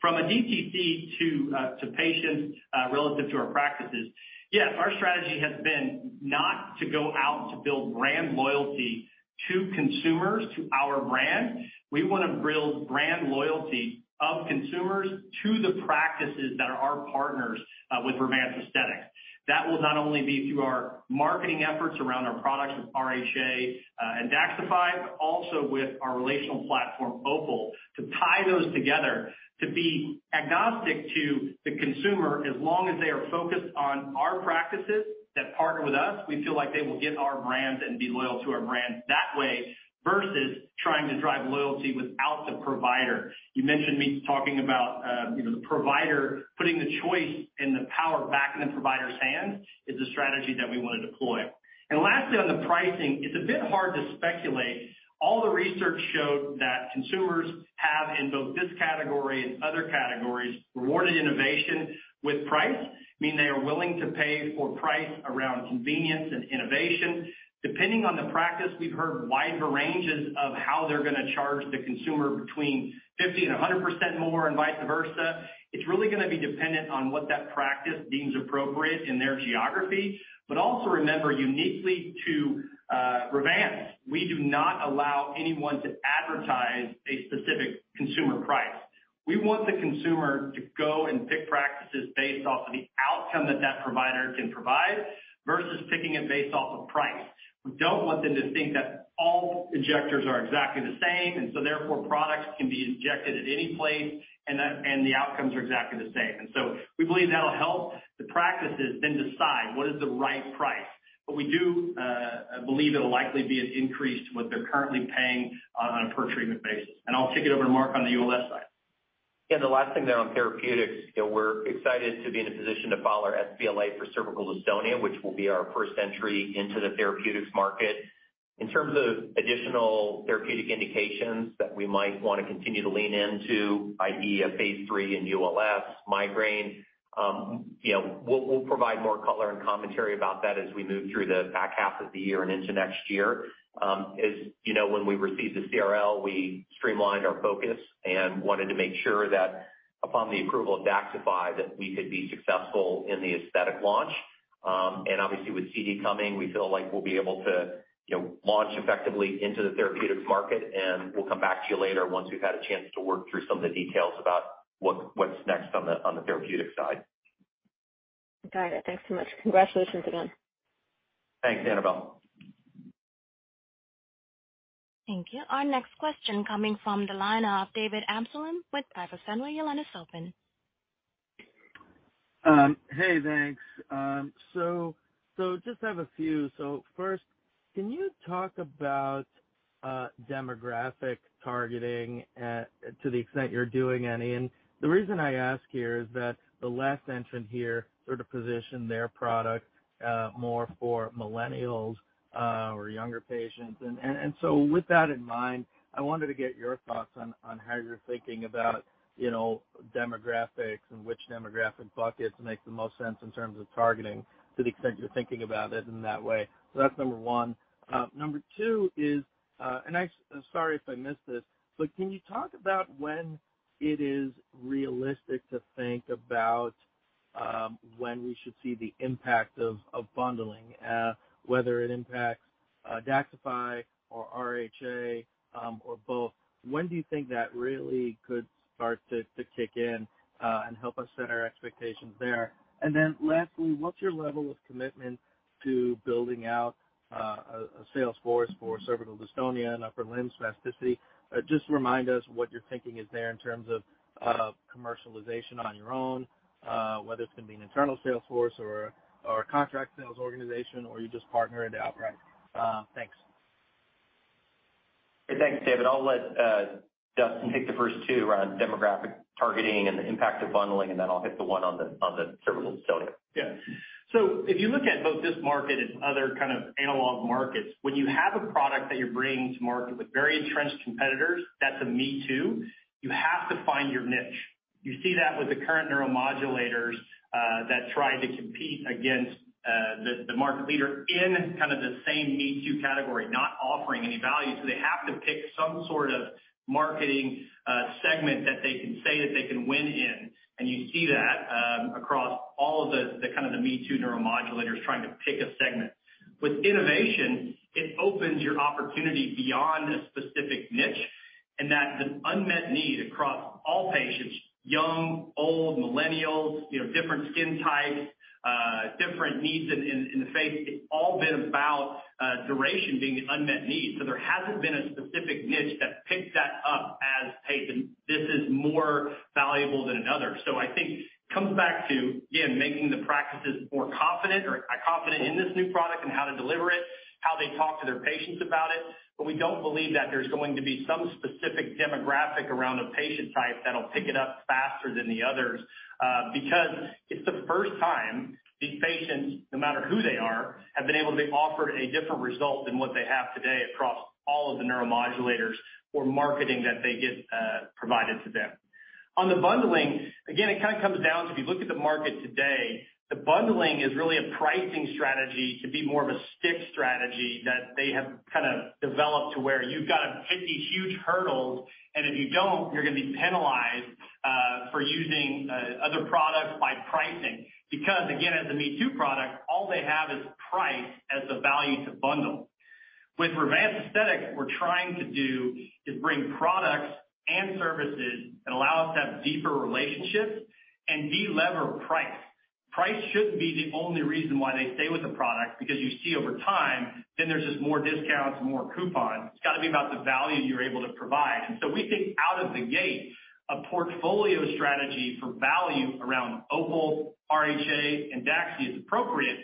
From a DTC to patients, relative to our practices, yes, our strategy has been not to go out to build brand loyalty to consumers to our brand. We wanna build brand loyalty of consumers to the practices that are our partners, with Revance Aesthetics. That will not only be through our marketing efforts around our products with RHA and DAXXIFY, but also with our relational platform, OPUL, to tie those together to be agnostic to the consumer as long as they are focused on our practices that partner with us. We feel like they will get our brand and be loyal to our brand that way versus trying to drive loyalty without the provider. You mentioned me talking about, you know, the provider putting the choice and the power back in the provider's hands is a strategy that we wanna deploy. Lastly on the pricing, it's a bit hard to speculate. All the research showed that consumers have in both this category and other categories rewarded innovation with price, meaning they are willing to pay for price around convenience and innovation. Depending on the practice, we've heard wider ranges of how they're gonna charge the consumer between 50% and 100% more and vice versa. It's really gonna be dependent on what that practice deems appropriate in their geography. Also remember uniquely to Revance, we do not allow anyone to advertise a specific consumer price. We want the consumer to go and pick practices based off of the outcome that that provider can provide versus picking it based off of price. We don't want them to think that all injectors are exactly the same and so therefore products can be injected at any place and the outcomes are exactly the same. We believe that'll help the practices then decide what is the right price. We do believe it'll likely be an increase to what they're currently paying on a per treatment basis. I'll kick it over to Mark on the ULS side. Yeah, the last thing there on therapeutics, you know, we're excited to be in a position to file our sBLA for cervical dystonia, which will be our first entry into the therapeutics market. In terms of additional therapeutic indications that we might wanna continue to lean into, i.e., a phase 3 in ULS, migraine, you know, we'll provide more color and commentary about that as we move through the back half of the year and into next year. As you know, when we received the CRL, we streamlined our focus and wanted to make sure that upon the approval of DAXXIFY that we could be successful in the aesthetic launch. Obviously with CD coming, we feel like we'll be able to, you know, launch effectively into the therapeutics market and we'll come back to you later once we've had a chance to work through some of the details about what's next on the therapeutic side. Got it. Thanks so much. Congratulations again. Thanks, Annabel. Thank you. Our next question coming from the line of David Amsellem with Piper Sandler. Your line is open. Hey, thanks. Just have a few. First, can you talk about demographic targeting to the extent you're doing any? The reason I ask here is that the last entrant here sort of positioned their product more for millennials or younger patients. With that in mind, I wanted to get your thoughts on how you're thinking about, you know, demographics and which demographic buckets make the most sense in terms of targeting to the extent you're thinking about it in that way. That's number one. Number two is, sorry if I missed this, but can you talk about when it is realistic to think about when we should see the impact of bundling, whether it impacts DAXXIFY or RHA, or both? When do you think that really could start to kick in and help us set our expectations there? Lastly, what's your level of commitment to building out a sales force for cervical dystonia and upper limb spasticity? Just remind us what your thinking is there in terms of commercialization on your own, whether it's gonna be an internal sales force or a contract sales organization or you just partner it outright. Thanks. Thanks, David. I'll let Dustin take the first two around demographic targeting and the impact of bundling, and then I'll hit the one on the cervical dystonia. Yeah. If you look at both this market and other kind of analog markets, when you have a product that you're bringing to market with very entrenched competitors, that's a me too, you have to find your niche. You see that with the current neuromodulators that try to compete against the market leader in kind of the same me too category, not offering any value. They have to pick some sort of marketing segment that they can say that they can win in. You see that across all of the kind of me too neuromodulators trying to pick a segment. With innovation, it opens your opportunity beyond a specific niche and that the unmet need across all patients, young, old, millennials, you know, different skin types, different needs in the face, it's all been about duration being an unmet need. There hasn't been a specific niche that picked that up as, hey, this is more valuable than another. I think comes back to, again, making the practices more confident in this new product and how to deliver it, how they talk to their patients about it. We don't believe that there's going to be some specific demographic around a patient type that'll pick it up faster than the others, because it's the first time these patients, no matter who they are, have been able to be offered a different result than what they have today across all of the neuromodulators or marketing that they get, provided to them. On the bundling, again, it kinda comes down to if you look at the market today, the bundling is really a pricing strategy to be more of a stick strategy that they have kind of developed to where you've got to hit these huge hurdles, and if you don't, you're gonna be penalized, for using other products by pricing. Because again, as a me too product, all they have is price as the value to bundle. What Revance Aesthetics is trying to do is bring products and services that allow us to have deeper relationships and de-lever price. Price shouldn't be the only reason why they stay with the product because you see over time, then there's just more discounts, more coupons. It's got to be about the value you're able to provide. We think out of the gate, a portfolio strategy for value around OPUL, RHA, and DAXXIFY is appropriate,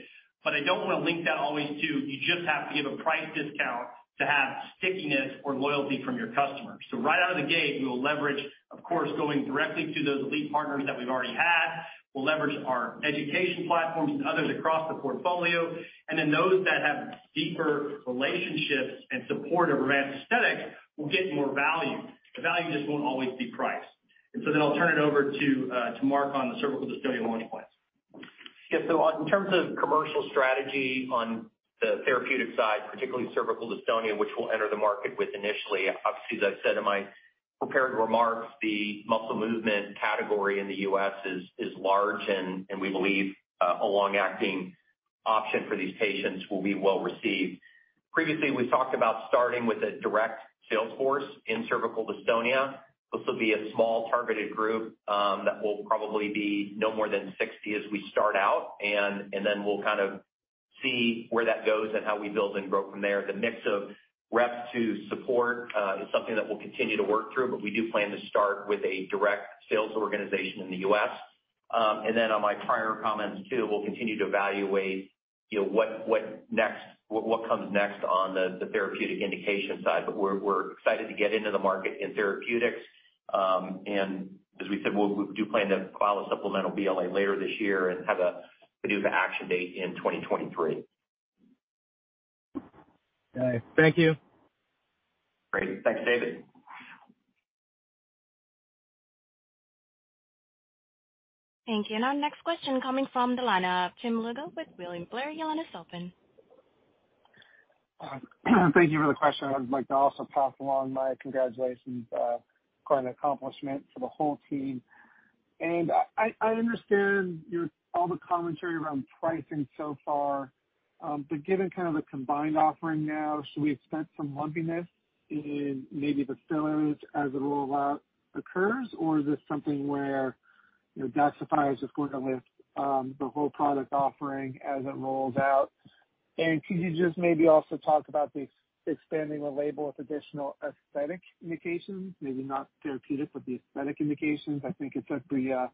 but I don't wanna link that always to, you just have to give a price discount to have stickiness or loyalty from your customers. Right out of the gate, we will leverage, of course, going directly to those elite partners that we've already had. We'll leverage our education platforms and others across the portfolio. Those that have deeper relationships and support of Revance Aesthetics will get more value. The value just won't always be price. I'll turn it over to Mark on the cervical dystonia launch plans. Yeah. In terms of commercial strategy on the therapeutic side, particularly cervical dystonia, which we'll enter the market with initially, obviously, as I've said in my prepared remarks, the muscle movement category in the U.S. is large and we believe a long-acting option for these patients will be well received. Previously, we talked about starting with a direct sales force in cervical dystonia. This will be a small targeted group that will probably be no more than 60 as we start out, and then we'll kind of see where that goes and how we build and grow from there. The mix of rep to support is something that we'll continue to work through, but we do plan to start with a direct sales organization in the U.S. On my prior comments too, we'll continue to evaluate, you know, what comes next on the therapeutic indication side. We're excited to get into the market in therapeutics. As we said, we do plan to file a supplemental BLA later this year and have a PDUFA action date in 2023. All right. Thank you. Great. Thanks, David. Thank you. Our next question coming from the line of Tim Lugo with William Blair. Your line is open. Thank you for the question. I would like to also pass along my congratulations. Quite an accomplishment for the whole team. I understand your all the commentary around pricing so far, but given kind of a combined offering now, should we expect some lumpiness in maybe the fillers as the rollout occurs? Or is this something where, you know, DAXXIFY is just gonna lift the whole product offering as it rolls out? Could you just maybe also talk about expanding the label with additional aesthetic indications, maybe not therapeutic, but the aesthetic indications. I think it took the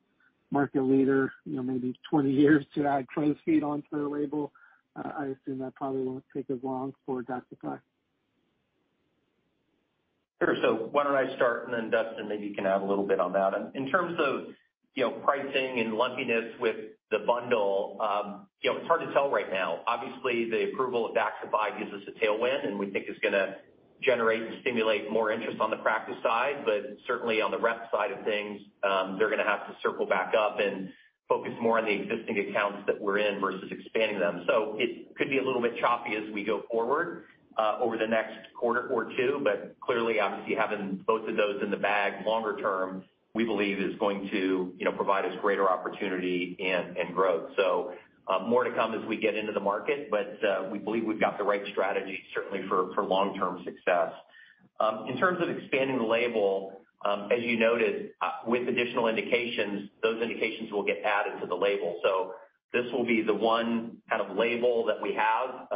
market leader, you know, maybe 20 years to add crow's feet onto their label. I assume that probably won't take as long for DAXXIFY. Sure. Why don't I start, and then Dustin maybe can add a little bit on that. In terms of, you know, pricing and lumpiness with the bundle, you know, it's hard to tell right now. Obviously, the approval of DAXXIFY gives us a tailwind, and we think it's gonna generate and stimulate more interest on the practice side. Certainly on the rep side of things, they're gonna have to circle back up and focus more on the existing accounts that we're in versus expanding them. It could be a little bit choppy as we go forward, over the next quarter or two. Clearly, obviously, having both of those in the bag longer term, we believe is going to, you know, provide us greater opportunity and growth. More to come as we get into the market, but we believe we've got the right strategy certainly for long-term success. In terms of expanding the label, as you noted, with additional indications, those indications will get added to the label. This will be the one kind of label that we have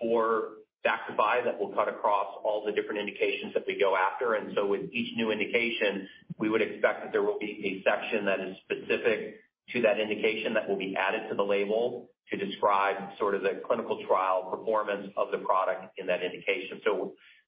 for DAXXIFY that will cut across all the different indications that we go after. With each new indication, we would expect that there will be a section that is specific to that indication that will be added to the label to describe sort of the clinical trial performance of the product in that indication.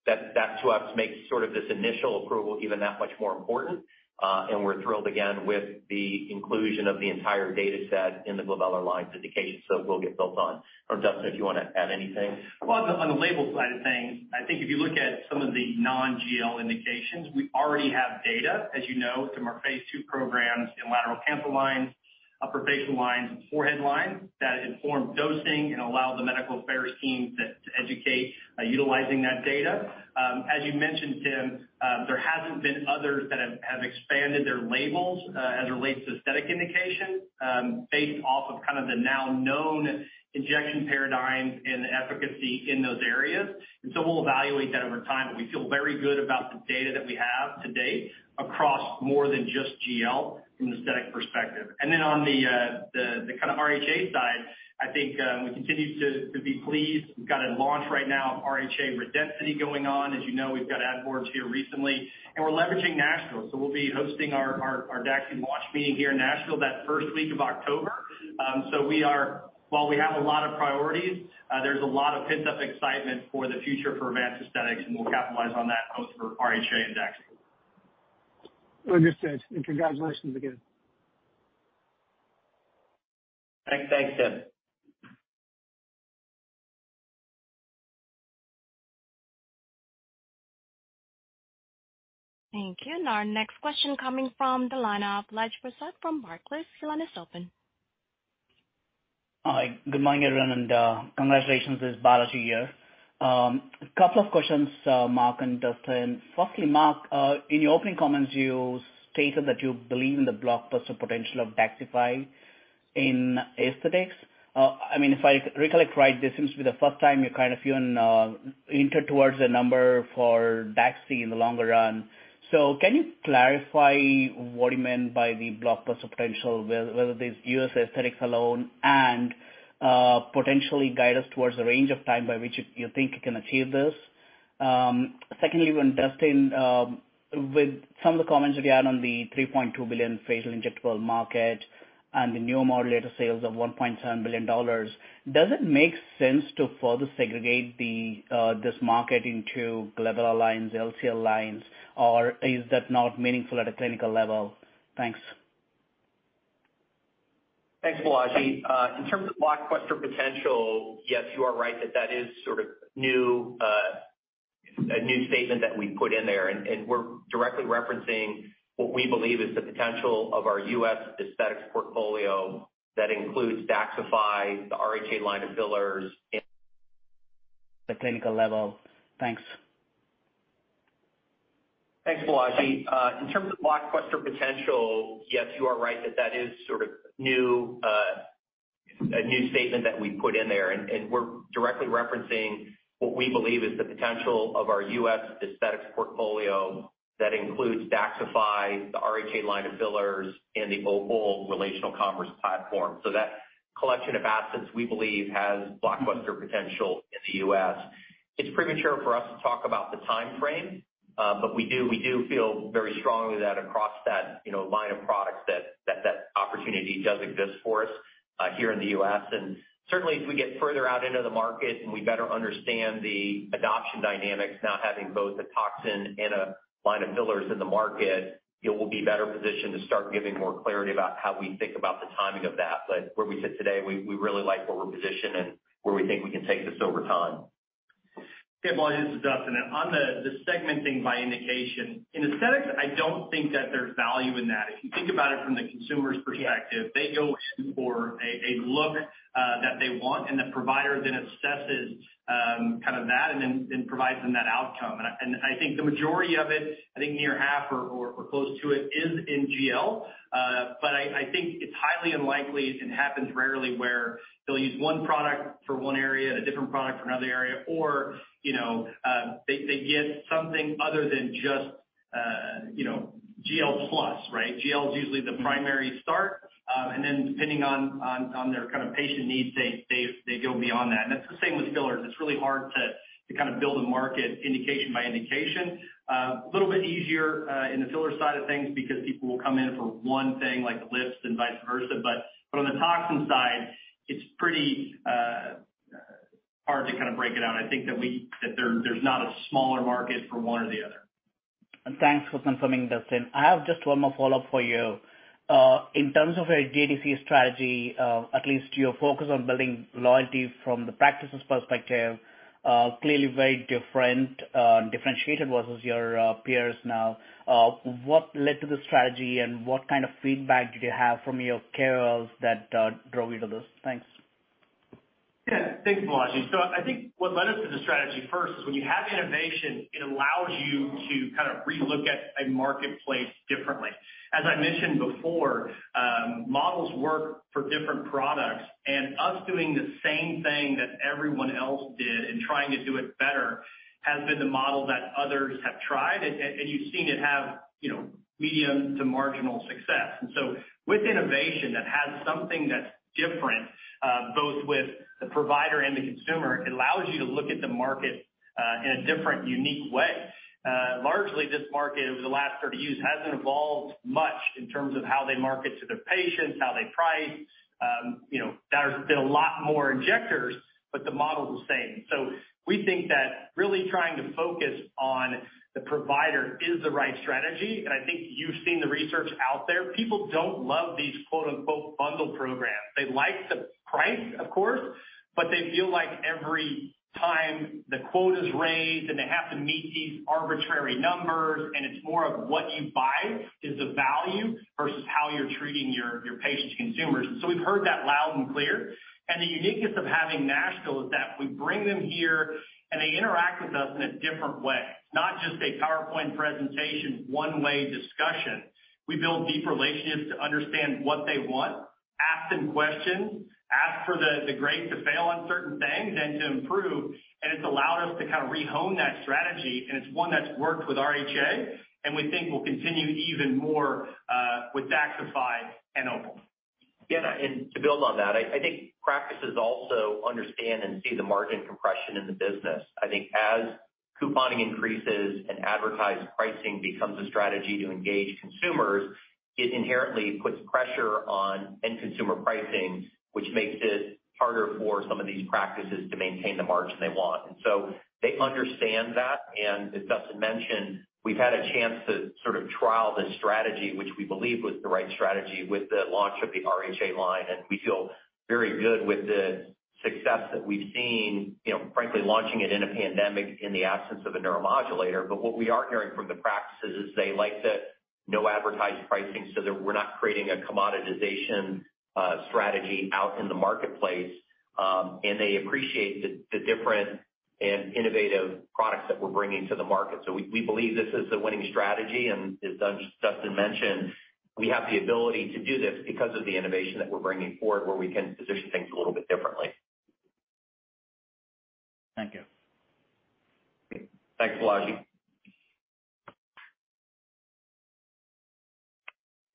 That to us makes sort of this initial approval even that much more important. We're thrilled again with the inclusion of the entire data set in the glabellar lines indication, so it will get built on. Dustin, if you wanna add anything. Well, on the label side of things, I think if you look at some of the non-GL indications, we already have data, as you know, from our phase 2 programs in lateral canthal lines, upper facial lines, and forehead lines that inform dosing and allow the medical affairs team to educate utilizing that data. As you mentioned, Tim, there hasn't been others that have expanded their labels as it relates to aesthetic indication based off of kind of the now-known injection paradigms and efficacy in those areas. We'll evaluate that over time, but we feel very good about the data that we have to date across more than just GL from the aesthetic perspective. Then on the kind of RHA side, I think we continue to be pleased. We've got a launch right now of RHA Redensity going on. As you know, we've got ad boards here recently, and we're leveraging Nashville. We'll be hosting our Daxi launch meeting here in Nashville that first week of October. While we have a lot of priorities, there's a lot of pent-up excitement for the future for Revance Aesthetics, and we'll capitalize on that both for RHA and Daxi. Understood, and congratulations again. Thanks, Tim. Thank you. Our next question coming from the line of Balaji Prasad from Barclays. Your line is open. Hi. Good morning, everyone, and congratulations. It's Balaji here. A couple of questions, Mark and Dustin. Firstly, Mark, in your opening comments, you stated that you believe in the blockbuster potential of DAXXIFY in aesthetics. I mean, if I recollect right, this seems to be the first time you're kind of even hinted towards a number for DAXI in the longer run. Can you clarify what do you mean by the blockbuster potential, whether it is U.S. aesthetics alone, and potentially guide us towards the range of time by which you think you can achieve this? Secondly, when Dustin with some of the comments that he had on the $3.2 billion facial injectables market and the neuromodulator sales of $1.7 billion, does it make sense to further segregate the this market into glabellar lines, lateral canthal lines, or is that not meaningful at a clinical level? Thanks. Thanks, Balaji. In terms of blockbuster potential, yes, you are right that that is sort of new, a new statement that we put in there. We're directly referencing what we believe is the potential of our U.S. aesthetics portfolio that includes DAXXIFY, the RHA line of fillers, and- The clinical level. Thanks. Thanks, Balaji. In terms of blockbuster potential, yes, you are right that that is sort of new, a new statement that we put in there, and we're directly referencing what we believe is the potential of our US aesthetics portfolio that includes DAXXIFY, the RHA line of fillers, and the OPUL Relational Commerce Platform. That collection of assets, we believe, has blockbuster potential in the US. It's premature for us to talk about the timeframe, but we do feel very strongly that across that, you know, line of products that opportunity does exist for us here in the US. Certainly, as we get further out into the market and we better understand the adoption dynamics, now having both a toxin and a line of fillers in the market, you know, we'll be better positioned to start giving more clarity about how we think about the timing of that. But where we sit today, we really like where we're positioned and where we think we can take this over time. Yeah, Balaji, this is Dustin. On the segmenting by indication, in aesthetics I don't think that there's value in that. If you think about it from the consumer's perspective, they go in for a look that they want, and the provider then assesses kind of that, and then provides them that outcome. I think the majority of it, I think near half or close to it is in GL. But I think it's highly unlikely. It happens rarely where they'll use one product for one area and a different product for another area or, you know, they get something other than just, you know, GL plus, right? GL is usually the primary start, and then depending on their kind of patient needs, they go beyond that. It's the same with fillers. It's really hard to kind of build a market indication by indication. A little bit easier in the filler side of things because people will come in for one thing like the lips and vice versa. On the toxin side, it's pretty hard to kind of break it out. I think that there's not a smaller market for one or the other. Thanks for confirming, Dustin. I have just one more follow-up for you. In terms of your DTC strategy, at least your focus on building loyalty from the practices perspective, clearly very different, differentiated versus your, peers now. What led to the strategy and what kind of feedback did you have from your Yeah. Thanks, Balaji. I think what led us to the strategy first is when you have innovation, it allows you to kind of relook at a marketplace differently. As I mentioned before, models work for different products, and us doing the same thing that everyone else did and trying to do it better has been the model that others have tried, and you've seen it have, you know, medium to marginal success. With innovation that has something that's different, both with the provider and the consumer, it allows you to look at the market in a different, unique way. Largely, this market over the last 30 years hasn't evolved much in terms of how they market to their patients, how they price. You know, there's been a lot more injectors, but the model's the same. We think that really trying to focus on the provider is the right strategy. I think you've seen the research out there. People don't love these quote-unquote bundle programs. They like the price, of course, but they feel like every time the quota's raised and they have to meet these arbitrary numbers, and it's more of what you buy is the value versus how you're treating your patients, consumers. We've heard that loud and clear. The uniqueness of having Nashville is that we bring them here, and they interact with us in a different way, not just a PowerPoint presentation, one-way discussion. We build deep relationships to understand what they want, ask them questions, ask for the grace to fail on certain things and to improve. It's allowed us to kind of re-hone that strategy, and it's one that's worked with RHA, and we think will continue even more with DAXXIFY and OPUL. Yeah, to build on that, I think practices also understand and see the margin compression in the business. I think as couponing increases and advertised pricing becomes a strategy to engage consumers, it inherently puts pressure on end consumer pricing, which makes it harder for some of these practices to maintain the margin they want. They understand that, and as Dustin mentioned, we've had a chance to sort of trial the strategy, which we believe was the right strategy with the launch of the RHA line. We feel very good with the success that we've seen, you know, frankly, launching it in a pandemic in the absence of a neuromodulator. What we are hearing from the practices is they like the no advertised pricing so that we're not creating a commoditization strategy out in the marketplace, and they appreciate the different and innovative products that we're bringing to the market. We believe this is a winning strategy, and as Dustin mentioned, we have the ability to do this because of the innovation that we're bringing forward, where we can position things a little bit differently. Thank you. Thanks, Balaji.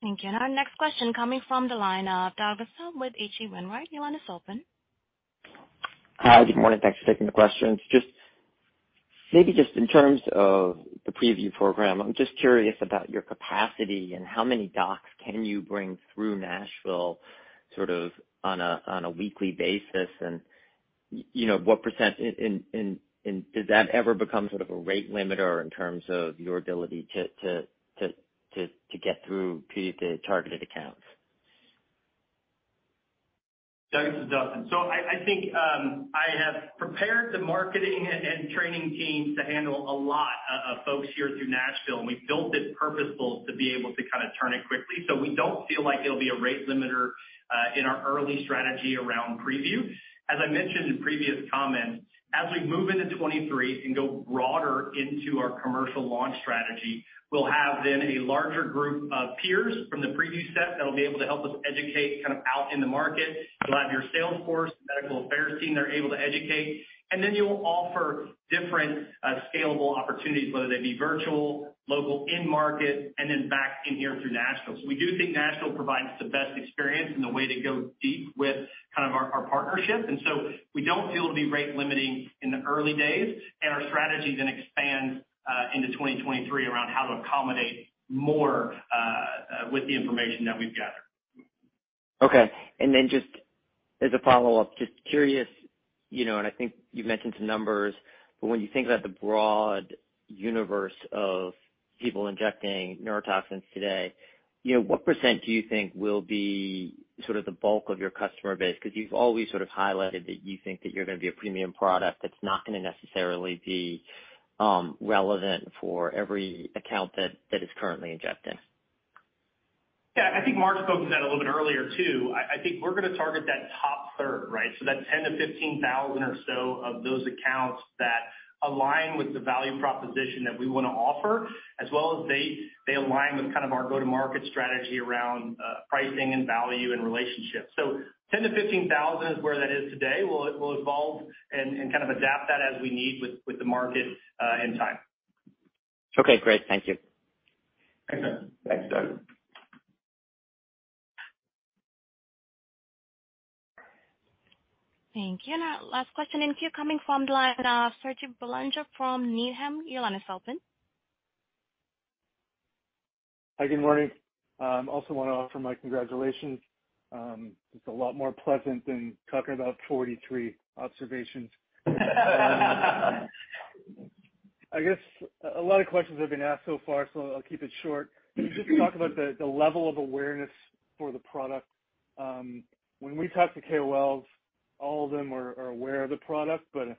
Thank you. Our next question coming from the line of Douglas Tsao with H.C. Wainwright, your line is open. Hi, good morning. Thanks for taking the questions. Maybe just in terms of the preview program, I'm just curious about your capacity and how many docs can you bring through Nashville sort of on a weekly basis? And, you know, what percent does that ever become sort of a rate limiter in terms of your ability to get through preview to targeted accounts? Doug, this is Dustin. I think I have prepared the marketing and training teams to handle a lot of folks here through Nashville, and we've built it purposefully to be able to kind of turn it quickly. We don't feel like it'll be a rate limiter in our early strategy around preview. As I mentioned in previous comments, as we move into 2023 and go broader into our commercial launch strategy, we'll have then a larger group of peers from the preview set that'll be able to help us educate kind of out in the market. You'll have your sales force, medical affairs team, they're able to educate. Then you'll offer different scalable opportunities, whether they be virtual, local, in-market, and then back in here through Nashville. We do think Nashville provides the best experience and the way to go deep with kind of our partnership. We don't feel it'll be rate limiting in the early days, and our strategy then expands into 2023 around how to accommodate more with the information that we've gathered. Okay. Just as a follow-up, just curious, you know, and I think you've mentioned some numbers, but when you think about the broad universe of people injecting neurotoxins today, you know, what percent do you think will be sort of the bulk of your customer base? Because you've always sort of highlighted that you think that you're gonna be a premium product that's not gonna necessarily be relevant for every account that is currently injecting. Yeah, I think Mark spoke to that a little bit earlier too. I think we're gonna target that top third, right? That 10,000-15,000 or so of those accounts that align with the value proposition that we wanna offer, as well as they align with kind of our go-to-market strategy around pricing and value and relationships. 10,000-15,000 is where that is today. We'll evolve and kind of adapt that as we need with the market in time. Okay, great. Thank you. Thanks, Doug. Thank you. Our last question in queue coming from the line of Serge Belanger from Needham. Your line is open. Hi, good morning. Also wanna offer my congratulations. It's a lot more pleasant than talking about 43 observations. I guess a lot of questions have been asked so far, so I'll keep it short. Can you just talk about the level of awareness for the product? When we talk to KOLs, all of them are aware of the product, but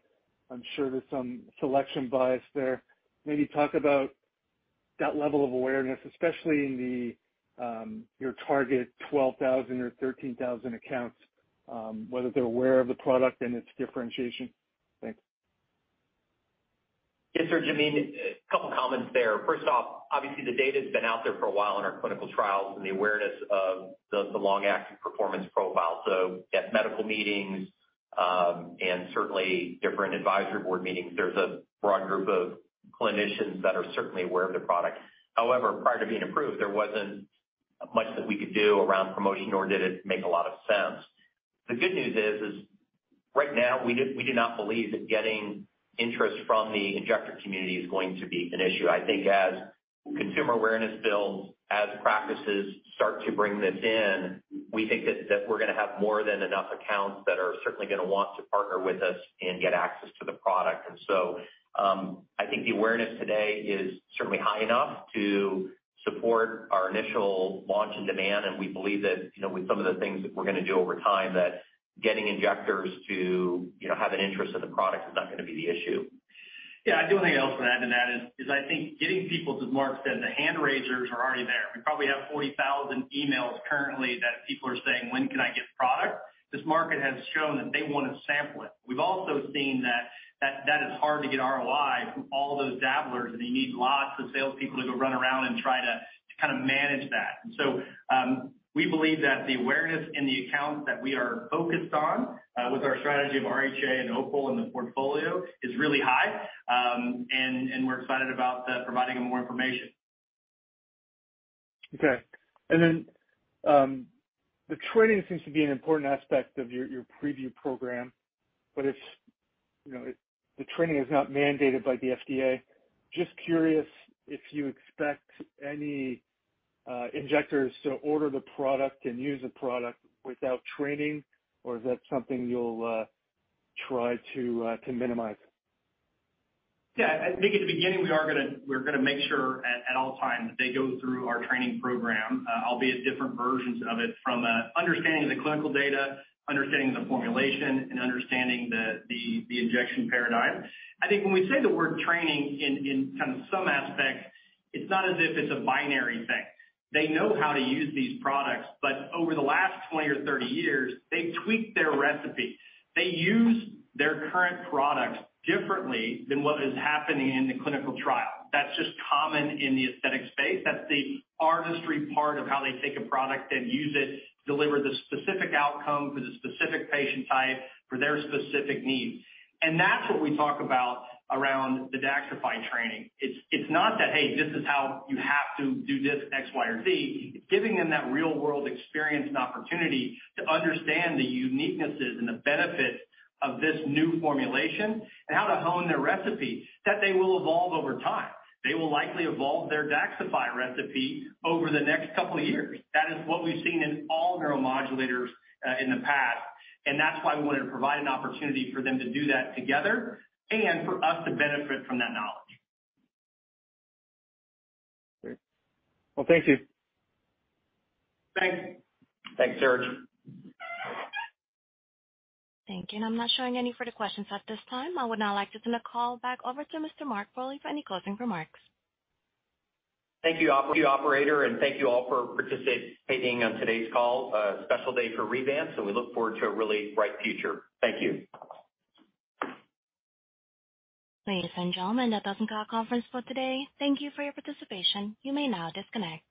I'm sure there's some selection bias there. Maybe talk about that level of awareness, especially in your target 12,000 or 13,000 accounts, whether they're aware of the product and its differentiation. Thanks. Yes, Serge. I mean, a couple comments there. First off, obviously the data's been out there for a while in our clinical trials and the awareness of the long-acting performance profile. At medical meetings, and certainly different advisory board meetings, there's a broad group of clinicians that are certainly aware of the product. However, prior to being approved, there wasn't much that we could do around promotion, nor did it make a lot of sense. The good news is right now we do not believe that getting interest from the injector community is going to be an issue. I think as consumer awareness builds, as practices start to bring this in, we think that we're gonna have more than enough accounts that are certainly gonna want to partner with us and get access to the product. I think the awareness today is certainly high enough to support our initial launch and demand. We believe that, you know, with some of the things that we're gonna do over time, that getting injectors to, you know, have an interest in the product is not gonna be the issue. Yeah, the only thing I also wanna add to that is I think getting people, as Mark said, the hand raisers are already there. We probably have 40,000 emails currently that people are saying, "When can I get product?" This market has shown that they wanna sample it. We've also seen that that is hard to get ROI from all those dabblers, and you need lots of salespeople to go run around and try to kinda manage that. We believe that the awareness in the accounts that we are focused on with our strategy of RHA and OPUL in the portfolio is really high. We're excited about providing them more information. Okay. The training seems to be an important aspect of your preview program, but the training is not mandated by the FDA. Just curious if you expect any injectors to order the product and use the product without training, or is that something you'll try to minimize? Yeah. I think at the beginning we're gonna make sure at all times that they go through our training program, albeit different versions of it, from understanding the clinical data, understanding the formulation, and understanding the injection paradigm. I think when we say the word training in kind of some aspect, it's not as if it's a binary thing. They know how to use these products, but over the last 20 or 30 years, they've tweaked their recipe. They use their current products differently than what is happening in the clinical trial. That's just common in the aesthetic space. That's the artistry part of how they take a product and use it to deliver the specific outcome for the specific patient type for their specific needs. That's what we talk about around the DAXXIFY training. It's not that, "Hey, this is how you have to do this X, Y, or Z." It's giving them that real-world experience and opportunity to understand the uniquenesses and the benefits of this new formulation and how to hone their recipe that they will evolve over time. They will likely evolve their DAXXIFY recipe over the next couple of years. That is what we've seen in all neuromodulators in the past, and that's why we wanna provide an opportunity for them to do that together and for us to benefit from that knowledge. Great. Well, thank you. Thanks. Thanks, Serge. Thank you. I'm not showing any further questions at this time. I would now like to turn the call back over to Mr. Mark Foley for any closing remarks. Thank you, operator, and thank you all for participating on today's call. A special day for Revance, so we look forward to a really bright future. Thank you. Ladies and gentlemen, that does end our conference call today. Thank you for your participation. You may now disconnect.